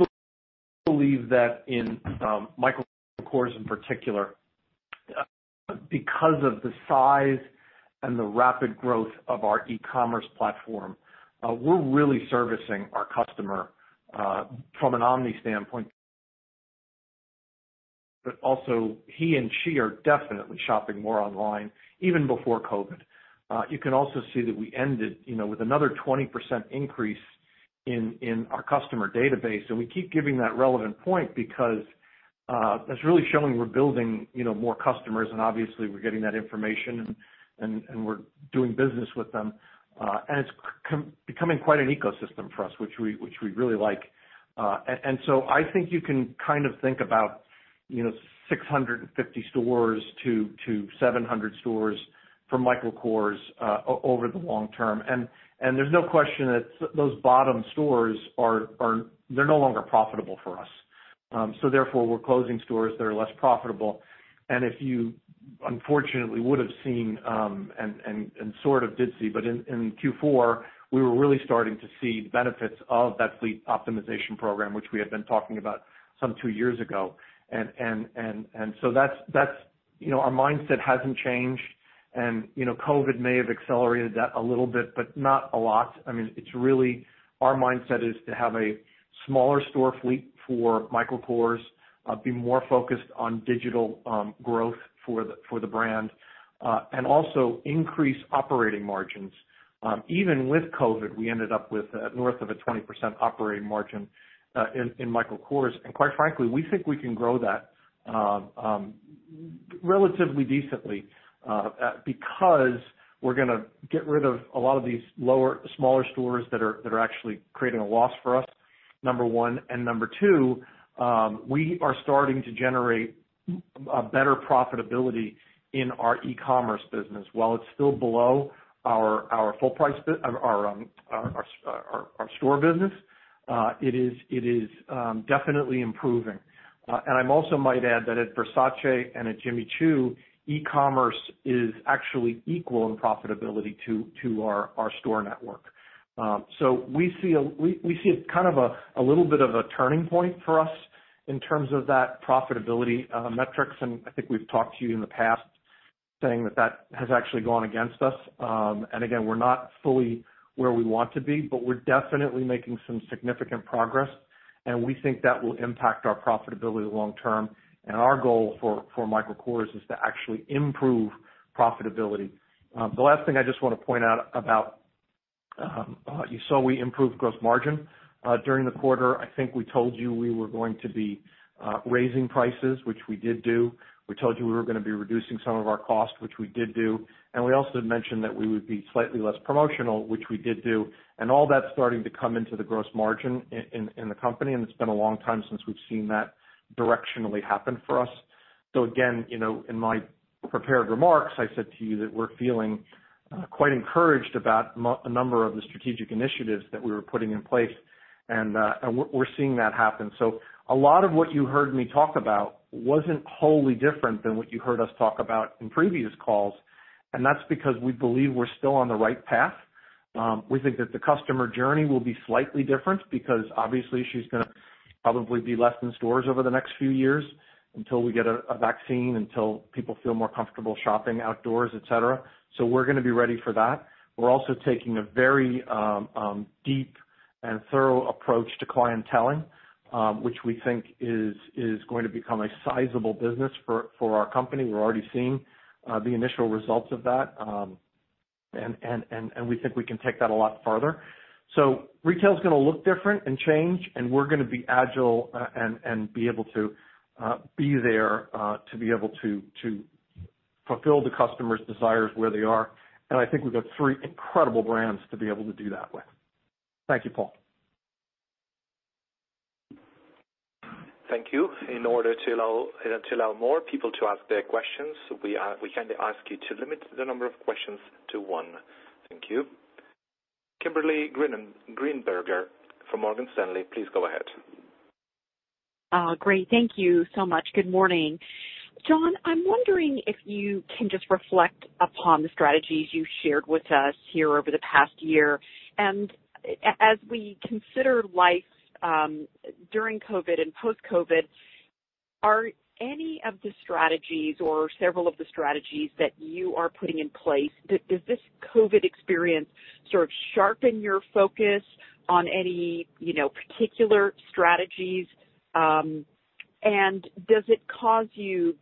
C: believe that in Michael Kors in particular, because of the size and the rapid growth of our e-commerce platform, we're really servicing our customer, from an omni standpoint. Also he and she are definitely shopping more online, even before COVID-19. You can also see that we ended with another 20% increase in our customer database. We keep giving that relevant point because that's really showing we're building more customers, and obviously we're getting that information and we're doing business with them. It's becoming quite an ecosystem for us, which we really like. I think you can think about 650 stores to 700 stores for Michael Kors over the long term. There's no question that those bottom stores are no longer profitable for us. Therefore, we're closing stores that are less profitable. If you unfortunately would've seen, and sort of did see, in Q4, we were really starting to see the benefits of that fleet optimization program, which we had been talking about some 2 years ago. Our mindset hasn't changed. COVID may have accelerated that a little bit, but not a lot. It's really our mindset is to have a smaller store fleet for Michael Kors, be more focused on digital growth for the brand. Also increase operating margins. Even with COVID, we ended up with north of a 20% operating margin in Michael Kors. Quite frankly, we think we can grow that relatively decently, because we're going to get rid of a lot of these smaller stores that are actually creating a loss for us, number 1. Number 2, we are starting to generate a better profitability in our e-commerce business. While it's still below our store business, it is definitely improving. I also might add that at Versace and at Jimmy Choo, e-commerce is actually equal in profitability to our store network. We see it kind of a little bit of a turning point for us in terms of that profitability metrics, and I think we've talked to you in the past saying that that has actually gone against us. Again, we're not fully where we want to be, but we're definitely making some significant progress, and we think that will impact our profitability long term. Our goal for Michael Kors is to actually improve profitability. The last thing I just want to point out, you saw we improved gross margin during the quarter. I think we told you we were going to be raising prices, which we did do. We told you we were going to be reducing some of our costs, which we did do. We also had mentioned that we would be slightly less promotional, which we did do. All that's starting to come into the gross margin in the company, and it's been a long time since we've seen that directionally happen for us. Again, in my prepared remarks, I said to you that we're feeling quite encouraged about a number of the strategic initiatives that we were putting in place. We're seeing that happen. A lot of what you heard me talk about wasn't wholly different than what you heard us talk about in previous calls, and that's because we believe we're still on the right path. We think that the customer journey will be slightly different because obviously she's going to probably be less in stores over the next few years until we get a vaccine, until people feel more comfortable shopping outdoors, et cetera. We're going to be ready for that. We're also taking a very deep and thorough approach to clienteling, which we think is going to become a sizable business for our company. We're already seeing the initial results of that. We think we can take that a lot farther. Retail's going to look different and change, and we're going to be agile and be able to be there to be able to fulfill the customer's desires where they are. I think we've got three incredible brands to be able to do that with. Thank you, Paul.
A: Thank you. In order to allow more people to ask their questions, we kindly ask you to limit the number of questions to one. Thank you. Kimberly Greenberger from Morgan Stanley, please go ahead.
G: Great. Thank you so much. Good morning. John, I'm wondering if you can just reflect upon the strategies you shared with us here over the past year. As we consider life during COVID and post-COVID, are any of the strategies or several of the strategies that you are putting in place, does this COVID experience sort of sharpen your focus on any particular strategies? Does it cause you,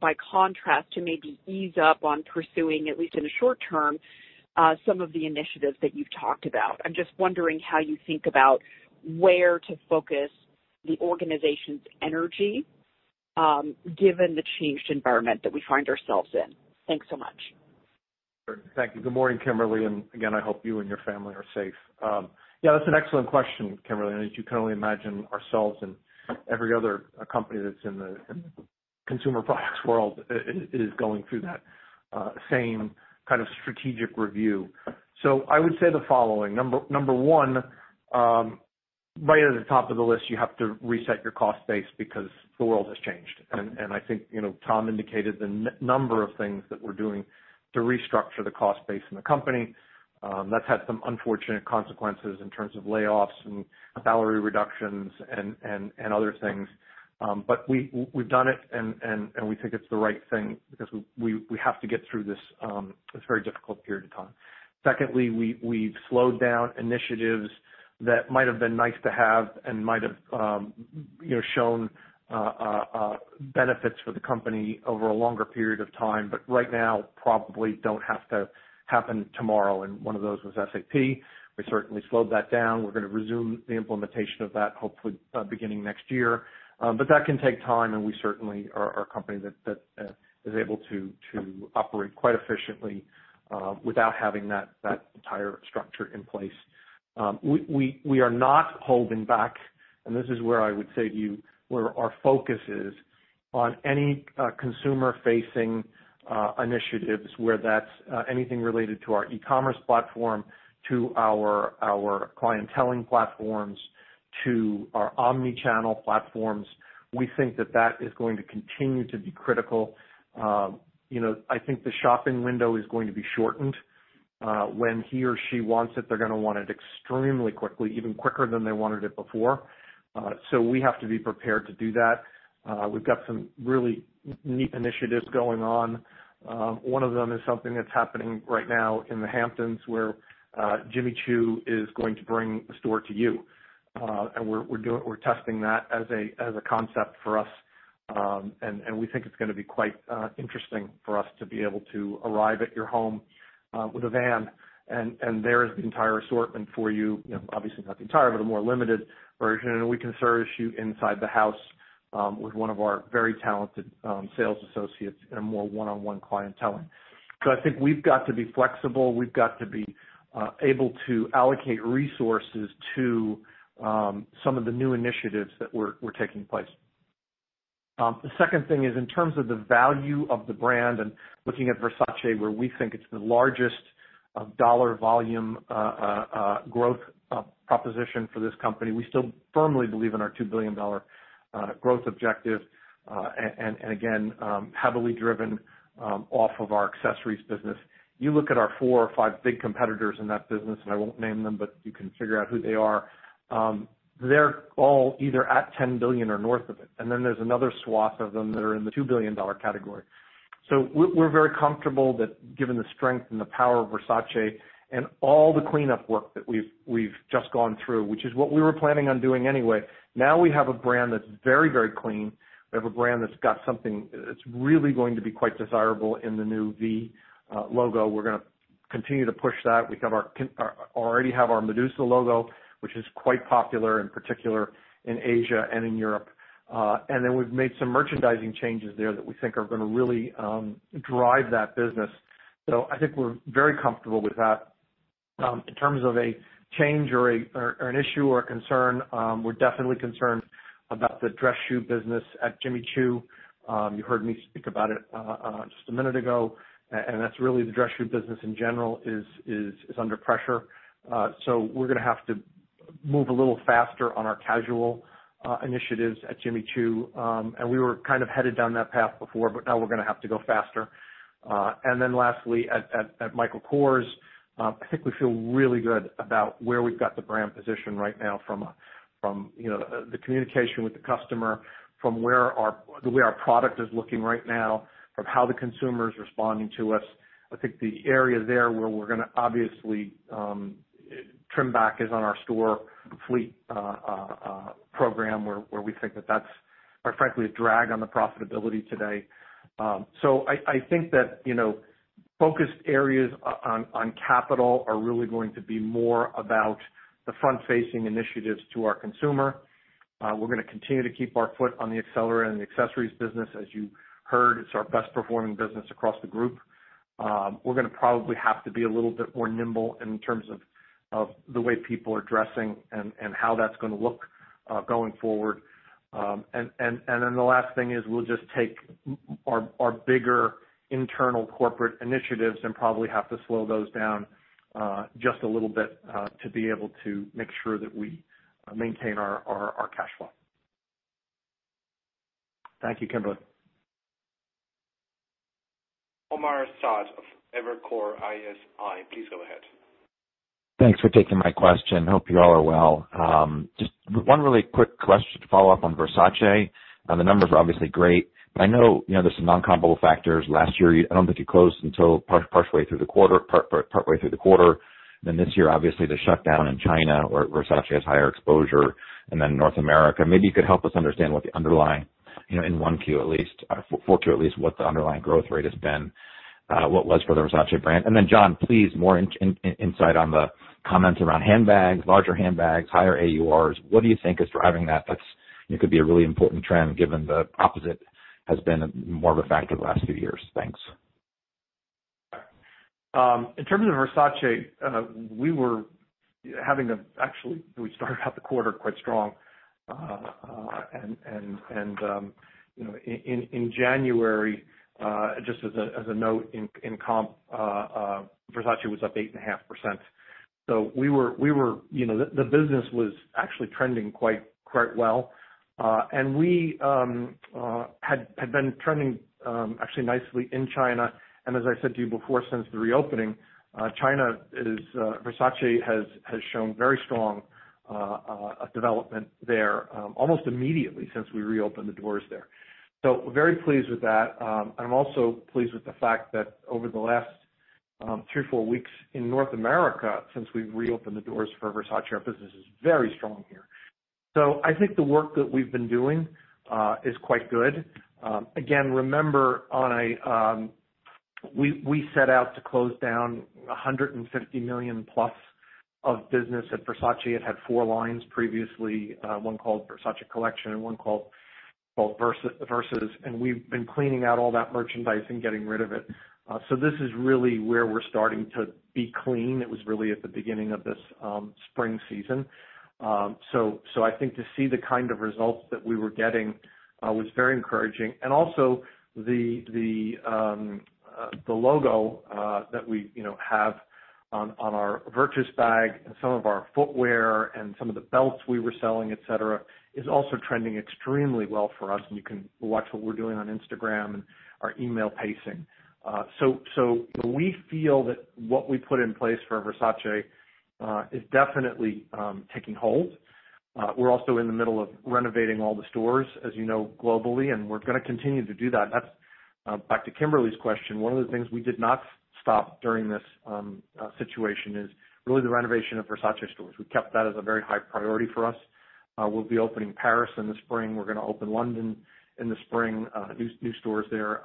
G: by contrast, to maybe ease up on pursuing, at least in the short term, some of the initiatives that you've talked about? I'm just wondering how you think about where to focus the organization's energy given the changed environment that we find ourselves in. Thanks so much.
C: Thank you. Good morning, Kimberly. Again, I hope you and your family are safe. Yeah, that's an excellent question, Kimberly, and as you can only imagine, ourselves and every other company that's in the consumer products world is going through that same kind of strategic review. I would say the following. Number one-Right at the top of the list, you have to reset your cost base because the world has changed. I think Tom indicated the number of things that we're doing to restructure the cost base in the company. That's had some unfortunate consequences in terms of layoffs and salary reductions and other things. We've done it, and we think it's the right thing because we have to get through this very difficult period of time. We've slowed down initiatives that might have been nice to have and might have shown benefits for the company over a longer period of time, but right now probably don't have to happen tomorrow. One of those was SAP. We certainly slowed that down. We're going to resume the implementation of that, hopefully, beginning next year. That can take time, and we certainly are a company that is able to operate quite efficiently without having that entire structure in place. We are not holding back, and this is where I would say to you where our focus is on any consumer-facing initiatives, whether that's anything related to our e-commerce platform, to our clienteling platforms, to our omni-channel platforms. We think that that is going to continue to be critical. I think the shopping window is going to be shortened. When he or she wants it, they're going to want it extremely quickly, even quicker than they wanted it before. We have to be prepared to do that. We've got some really neat initiatives going on. One of them is something that's happening right now in the Hamptons, where Jimmy Choo is going to bring the store to you. We're testing that as a concept for us. We think it's going to be quite interesting for us to be able to arrive at your home with a van, and there is the entire assortment for you, obviously not the entire, but a more limited version. We can service you inside the house with one of our very talented sales associates in a more one-on-one clienteling. I think we've got to be flexible. We've got to be able to allocate resources to some of the new initiatives that were taking place. The second thing is in terms of the value of the brand and looking at Versace, where we think it's the largest dollar volume growth proposition for this company. We still firmly believe in our $2 billion growth objective, again, heavily driven off of our accessories business. You look at our four or five big competitors in that business, I won't name them, but you can figure out who they are. They're all either at $10 billion or north of it. Then there's another swath of them that are in the $2 billion category. We're very comfortable that given the strength and the power of Versace and all the cleanup work that we've just gone through, which is what we were planning on doing anyway. Now we have a brand that's very, very clean. We have a brand that's got something that's really going to be quite desirable in the new V logo. We're going to continue to push that. We already have our Medusa logo, which is quite popular, in particular in Asia and in Europe. We've made some merchandising changes there that we think are going to really drive that business. I think we're very comfortable with that. In terms of a change or an issue or a concern, we're definitely concerned about the dress shoe business at Jimmy Choo. You heard me speak about it just a minute ago, and that's really the dress shoe business, in general, is under pressure. We're going to have to move a little faster on our casual initiatives at Jimmy Choo. We were headed down that path before, but now we're going to have to go faster. Then lastly, at Michael Kors, I think we feel really good about where we've got the brand positioned right now from the communication with the customer, from the way our product is looking right now, from how the consumer is responding to us. I think the area there where we're going to obviously trim back is on our store fleet program, where we think that that's, quite frankly, a drag on the profitability today. I think that focused areas on capital are really going to be more about the front-facing initiatives to our consumer. We're going to continue to keep our foot on the accelerator in the accessories business. As you heard, it's our best-performing business across the group. We're going to probably have to be a little bit more nimble in terms of the way people are dressing and how that's going to look going forward. The last thing is we'll just take our bigger internal corporate initiatives and probably have to slow those down just a little bit to be able to make sure that we maintain our cash flow. Thank you, Kimberly.
A: Omar Saad of Evercore ISI, please go ahead.
H: Thanks for taking my question. Hope you all are well. Just one really quick question to follow up on Versace. The numbers are obviously great, but I know there's some non-comparable factors. Last year, I don't think you closed until partway through the quarter. This year, obviously, the shutdown in China, where Versace has higher exposure, and North America. Maybe you could help us understand what the underlying, in 1Q at least, or full Q at least, what the underlying growth rate has been, what was for the Versace brand. John, please, more insight on the comments around handbags, larger handbags, higher AURs. What do you think is driving that? That could be a really important trend given the opposite has been more of a factor the last few years. Thanks.
C: In terms of Versace, actually, we started out the quarter quite strong. In January, just as a note, in comp, Versace was up 8.5%. The business was actually trending quite well. We had been trending actually nicely in China. As I said to you before, since the reopening, Versace has shown very strong development there, almost immediately since we reopened the doors there. We're very pleased with that. I'm also pleased with the fact that over the last three or four weeks in North America, since we've reopened the doors for Versace, our business is very strong here. I think the work that we've been doing is quite good. Again, remember, we set out to close down $150 million-plus of business at Versace. It had four lines previously, one called Versace Collection and one called Versus. We've been cleaning out all that merchandise and getting rid of it. This is really where we're starting to be clean. It was really at the beginning of this spring season. I think to see the kind of results that we were getting was very encouraging. Also the logo that we have on our Virtus bag and some of our footwear and some of the belts we were selling, et cetera, is also trending extremely well for us. You can watch what we're doing on Instagram and our email pacing. We feel that what we put in place for Versace is definitely taking hold. We're also in the middle of renovating all the stores, as you know, globally, and we're going to continue to do that. Back to Kimberly's question, one of the things we did not stop during this situation is really the renovation of Versace stores. We kept that as a very high priority for us. We'll be opening Paris in the spring. We're going to open London in the spring, new stores there.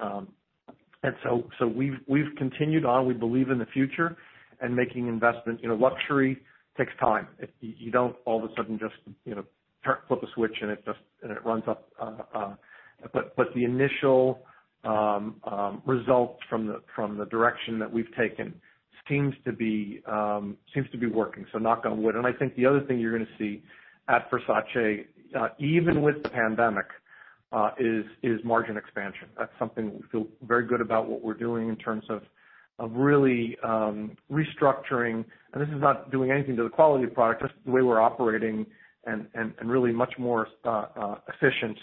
C: We've continued on. We believe in the future and making investments. Luxury takes time. You don't all of a sudden just flip a switch and it runs up. The initial results from the direction that we've taken seems to be working, so knock on wood. I think the other thing you're going to see at Versace, even with the pandemic, is margin expansion. That's something we feel very good about what we're doing in terms of really restructuring. This is not doing anything to the quality of the product, just the way we're operating and really much more efficient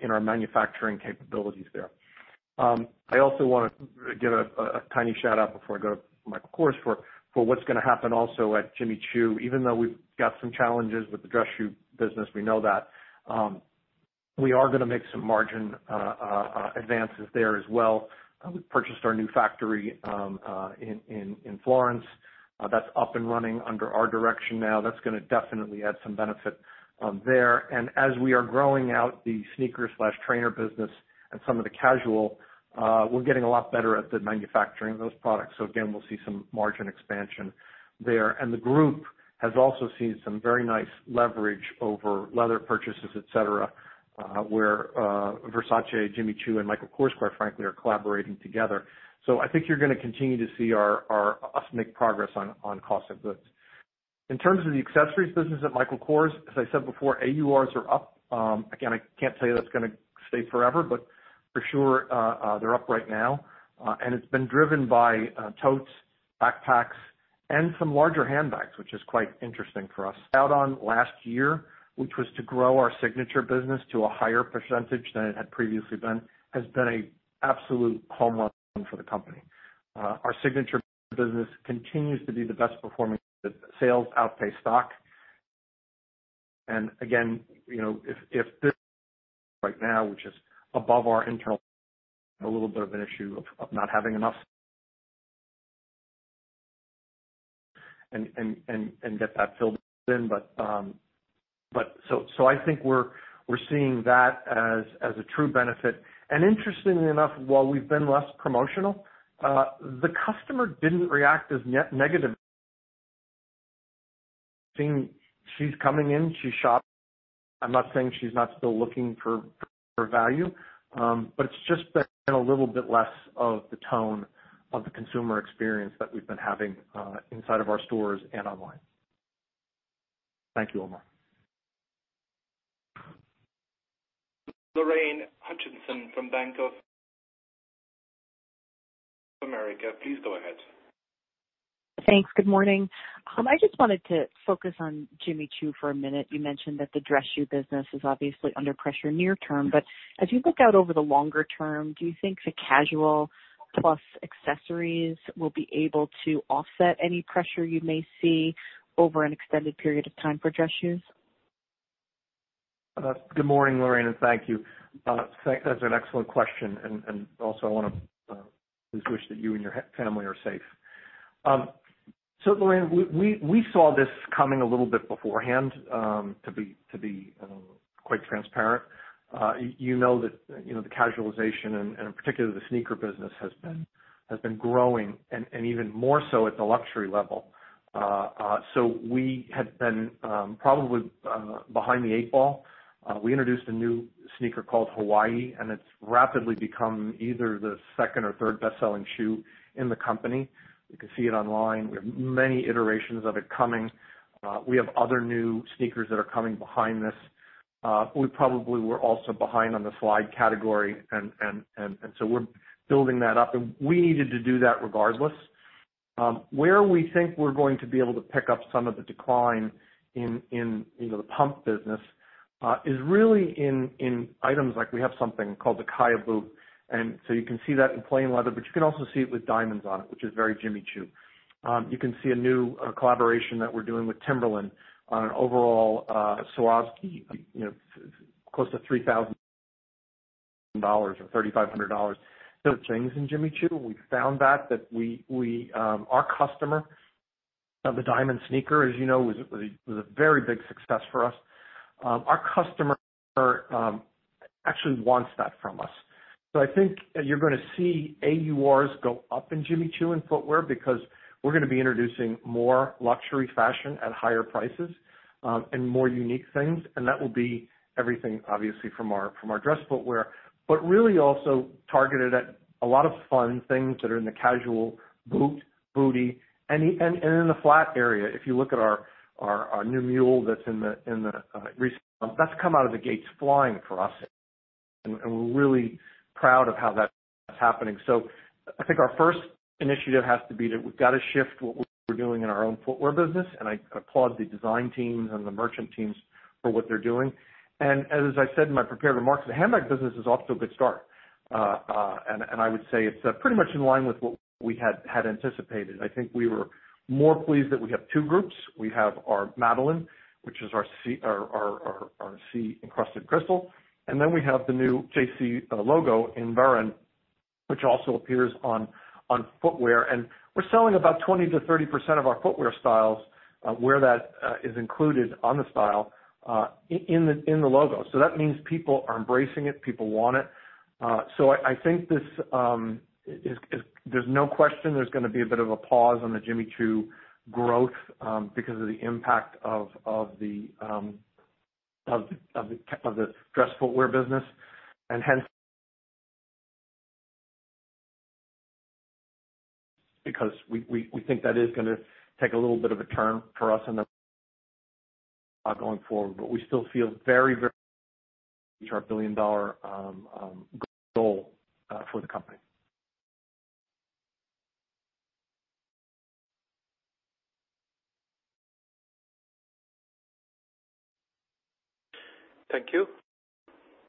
C: in our manufacturing capabilities there. I also want to give a tiny shout-out before I go to Michael Kors for what's going to happen also at Jimmy Choo. Even though we've got some challenges with the dress shoe business, we know that. We are going to make some margin advances there as well. We purchased our new factory in Florence. That's up and running under our direction now. That's going to definitely add some benefit there. As we are growing out the sneaker/trainer business and some of the casual, we're getting a lot better at the manufacturing of those products. Again, we'll see some margin expansion there. The group has also seen some very nice leverage over leather purchases, et cetera, where Versace, Jimmy Choo, and Michael Kors, quite frankly, are collaborating together. I think you're going to continue to see us make progress on cost of goods. In terms of the accessories business at Michael Kors, as I said before, AURs are up. Again, I can't tell you that's going to stay forever, but for sure, they're up right now. It's been driven by totes, backpacks, and some larger handbags, which is quite interesting for us. Out on last year, which was to grow our signature business to a higher percentage than it had previously been, has been a absolute home run for the company. Our signature business continues to be the best performing. Sales outpace stock. Again, if this right now, which is above our internal a little bit of an issue of not having enough and get that filled in. I think we're seeing that as a true benefit. Interestingly enough, while we've been less promotional, the customer didn't react as negatively. She's coming in. She's shopped. I'm not saying she's not still looking for value. It's just been a little bit less of the tone of the consumer experience that we've been having inside of our stores and online. Thank you, Omar.
A: Lorraine Hutchinson from Bank of America. Please go ahead.
I: Thanks. Good morning. I just wanted to focus on Jimmy Choo for a minute. You mentioned that the dress shoe business is obviously under pressure near term. As you look out over the longer term, do you think the casual plus accessories will be able to offset any pressure you may see over an extended period of time for dress shoes?
C: Good morning, Lorraine, thank you. That's an excellent question. Also I want to just wish that you and your family are safe. Lorraine, we saw this coming a little bit beforehand, to be quite transparent. You know the casualization and particularly the sneaker business has been growing and even more so at the luxury level. We had been probably behind the eight ball. We introduced a new sneaker called Hawaii, and it's rapidly become either the second or third best-selling shoe in the company. You can see it online. We have many iterations of it coming. We have other new sneakers that are coming behind this. We probably were also behind on the slide category, we're building that up. We needed to do that regardless. Where we think we're going to be able to pick up some of the decline in the pump business is really in items, like we have something called the Kaya boot, and so you can see that in plain leather, but you can also see it with diamonds on it, which is very Jimmy Choo. You can see a new collaboration that we're doing with Timberland on an overall Swarovski, close to $3,000 or $3,500. Those things in Jimmy Choo, we found that our customer of the diamond sneaker, as you know, was a very big success for us. Our customer actually wants that from us. I think you're going to see AURs go up in Jimmy Choo in footwear because we're going to be introducing more luxury fashion at higher prices, and more unique things. That will be everything, obviously, from our dress footwear. Really also targeted at a lot of fun things that are in the casual boot, booty, and in the flat area. If you look at our new mule that's in the [recent pump], that's come out of the gates flying for us, and we're really proud of how that's happening. I think our first initiative has to be that we've got to shift what we're doing in our own footwear business, and I applaud the design teams and the merchant teams for what they're doing. As I said in my prepared remarks, the handbag business is off to a good start. I would say it's pretty much in line with what we had anticipated. I think we were more pleased that we have two groups. We have our Madeline, which is our C-encrusted crystal. Then we have the new JC logo in Varenne, which also appears on footwear. We're selling about 20%-30% of our footwear styles, where that is included on the style, in the logo. That means people are embracing it, people want it. I think there's no question there's going to be a bit of a pause on the Jimmy Choo growth because of the impact of the dress footwear business. Hence, because we think that is going to take a little bit of a turn for us in the going forward. We still feel very our billion-dollar goal for the company.
A: Thank you.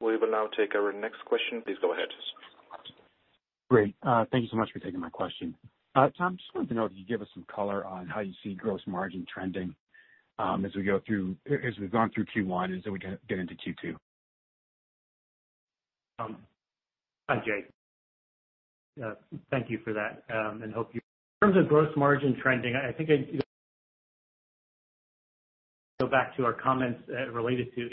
A: We will now take our next question. Please go ahead.
J: Great. Thank you so much for taking my question. Tom, just wanted to know if you could give us some color on how you see gross margin trending as we've gone through Q1 as we get into Q2.
D: Hi, Jay. Thank you for that. In terms of gross margin trending, I think I'd go back to our comments related to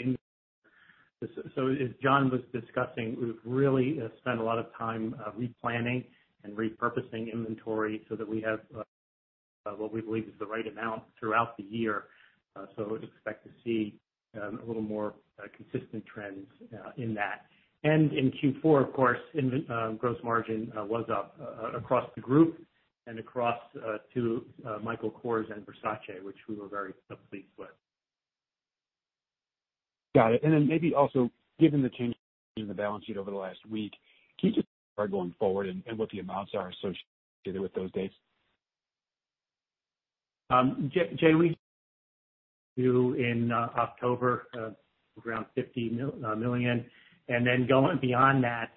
D: inventory. As John was discussing, we've really spent a lot of time replanning and repurposing inventory so that we have what we believe is the right amount throughout the year. Expect to see a little more consistent trends in that. In Q4, of course, gross margin was up across the group and across to Michael Kors and Versace, which we were very pleased with.
J: Got it. Then maybe also, given the change in the balance sheet over the last week, can you just going forward and what the amounts are associated with those dates?
D: Jay, we do in October, around $50 million. Then going beyond that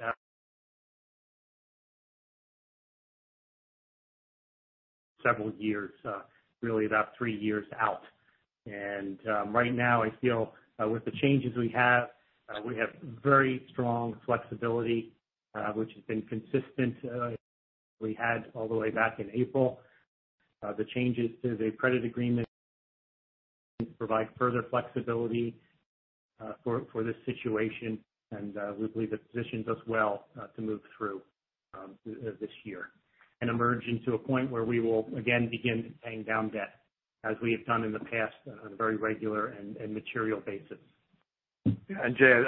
D: several years, really about three years out. Right now, I feel with the changes we have, we have very strong flexibility, which has been consistent. We had all the way back in April. The changes to the credit agreement provide further flexibility for this situation, and we believe it positions us well to move through this year and emerge into a point where we will again begin paying down debt as we have done in the past on a very regular and material basis.
C: Jay,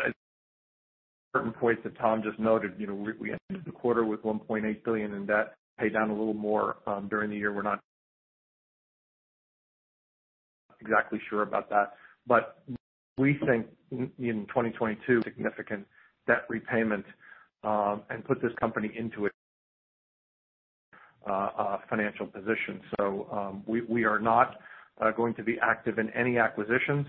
C: certain points that Tom just noted. We ended the quarter with $1.8 billion in debt, pay down a little more during the year. We're not exactly sure about that. We think in 2022, significant debt repayment and put this company into a financial position. We are not going to be active in any acquisitions.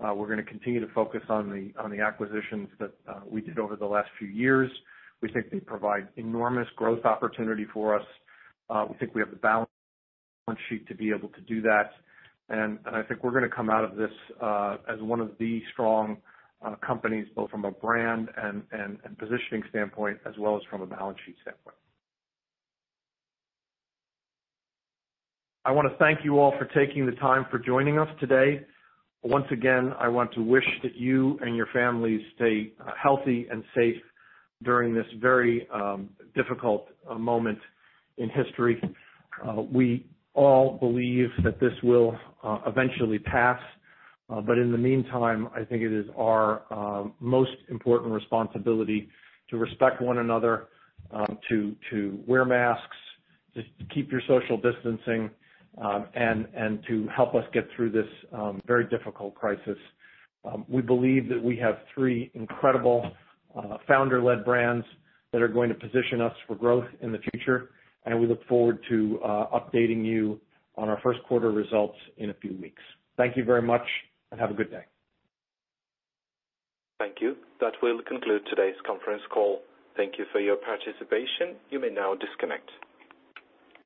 C: We're going to continue to focus on the acquisitions that we did over the last few years. We think they provide enormous growth opportunity for us. We think we have the balance sheet to be able to do that. I think we're going to come out of this as one of the strong companies, both from a brand and positioning standpoint, as well as from a balance sheet standpoint. I want to thank you all for taking the time for joining us today. Once again, I want to wish that you and your families stay healthy and safe during this very difficult moment in history. We all believe that this will eventually pass. In the meantime, I think it is our most important responsibility to respect one another, to wear masks, to keep your social distancing, and to help us get through this very difficult crisis. We believe that we have three incredible founder-led brands that are going to position us for growth in the future, and we look forward to updating you on our first quarter results in a few weeks. Thank you very much, and have a good day.
A: Thank you. That will conclude today's conference call. Thank you for your participation. You may now disconnect.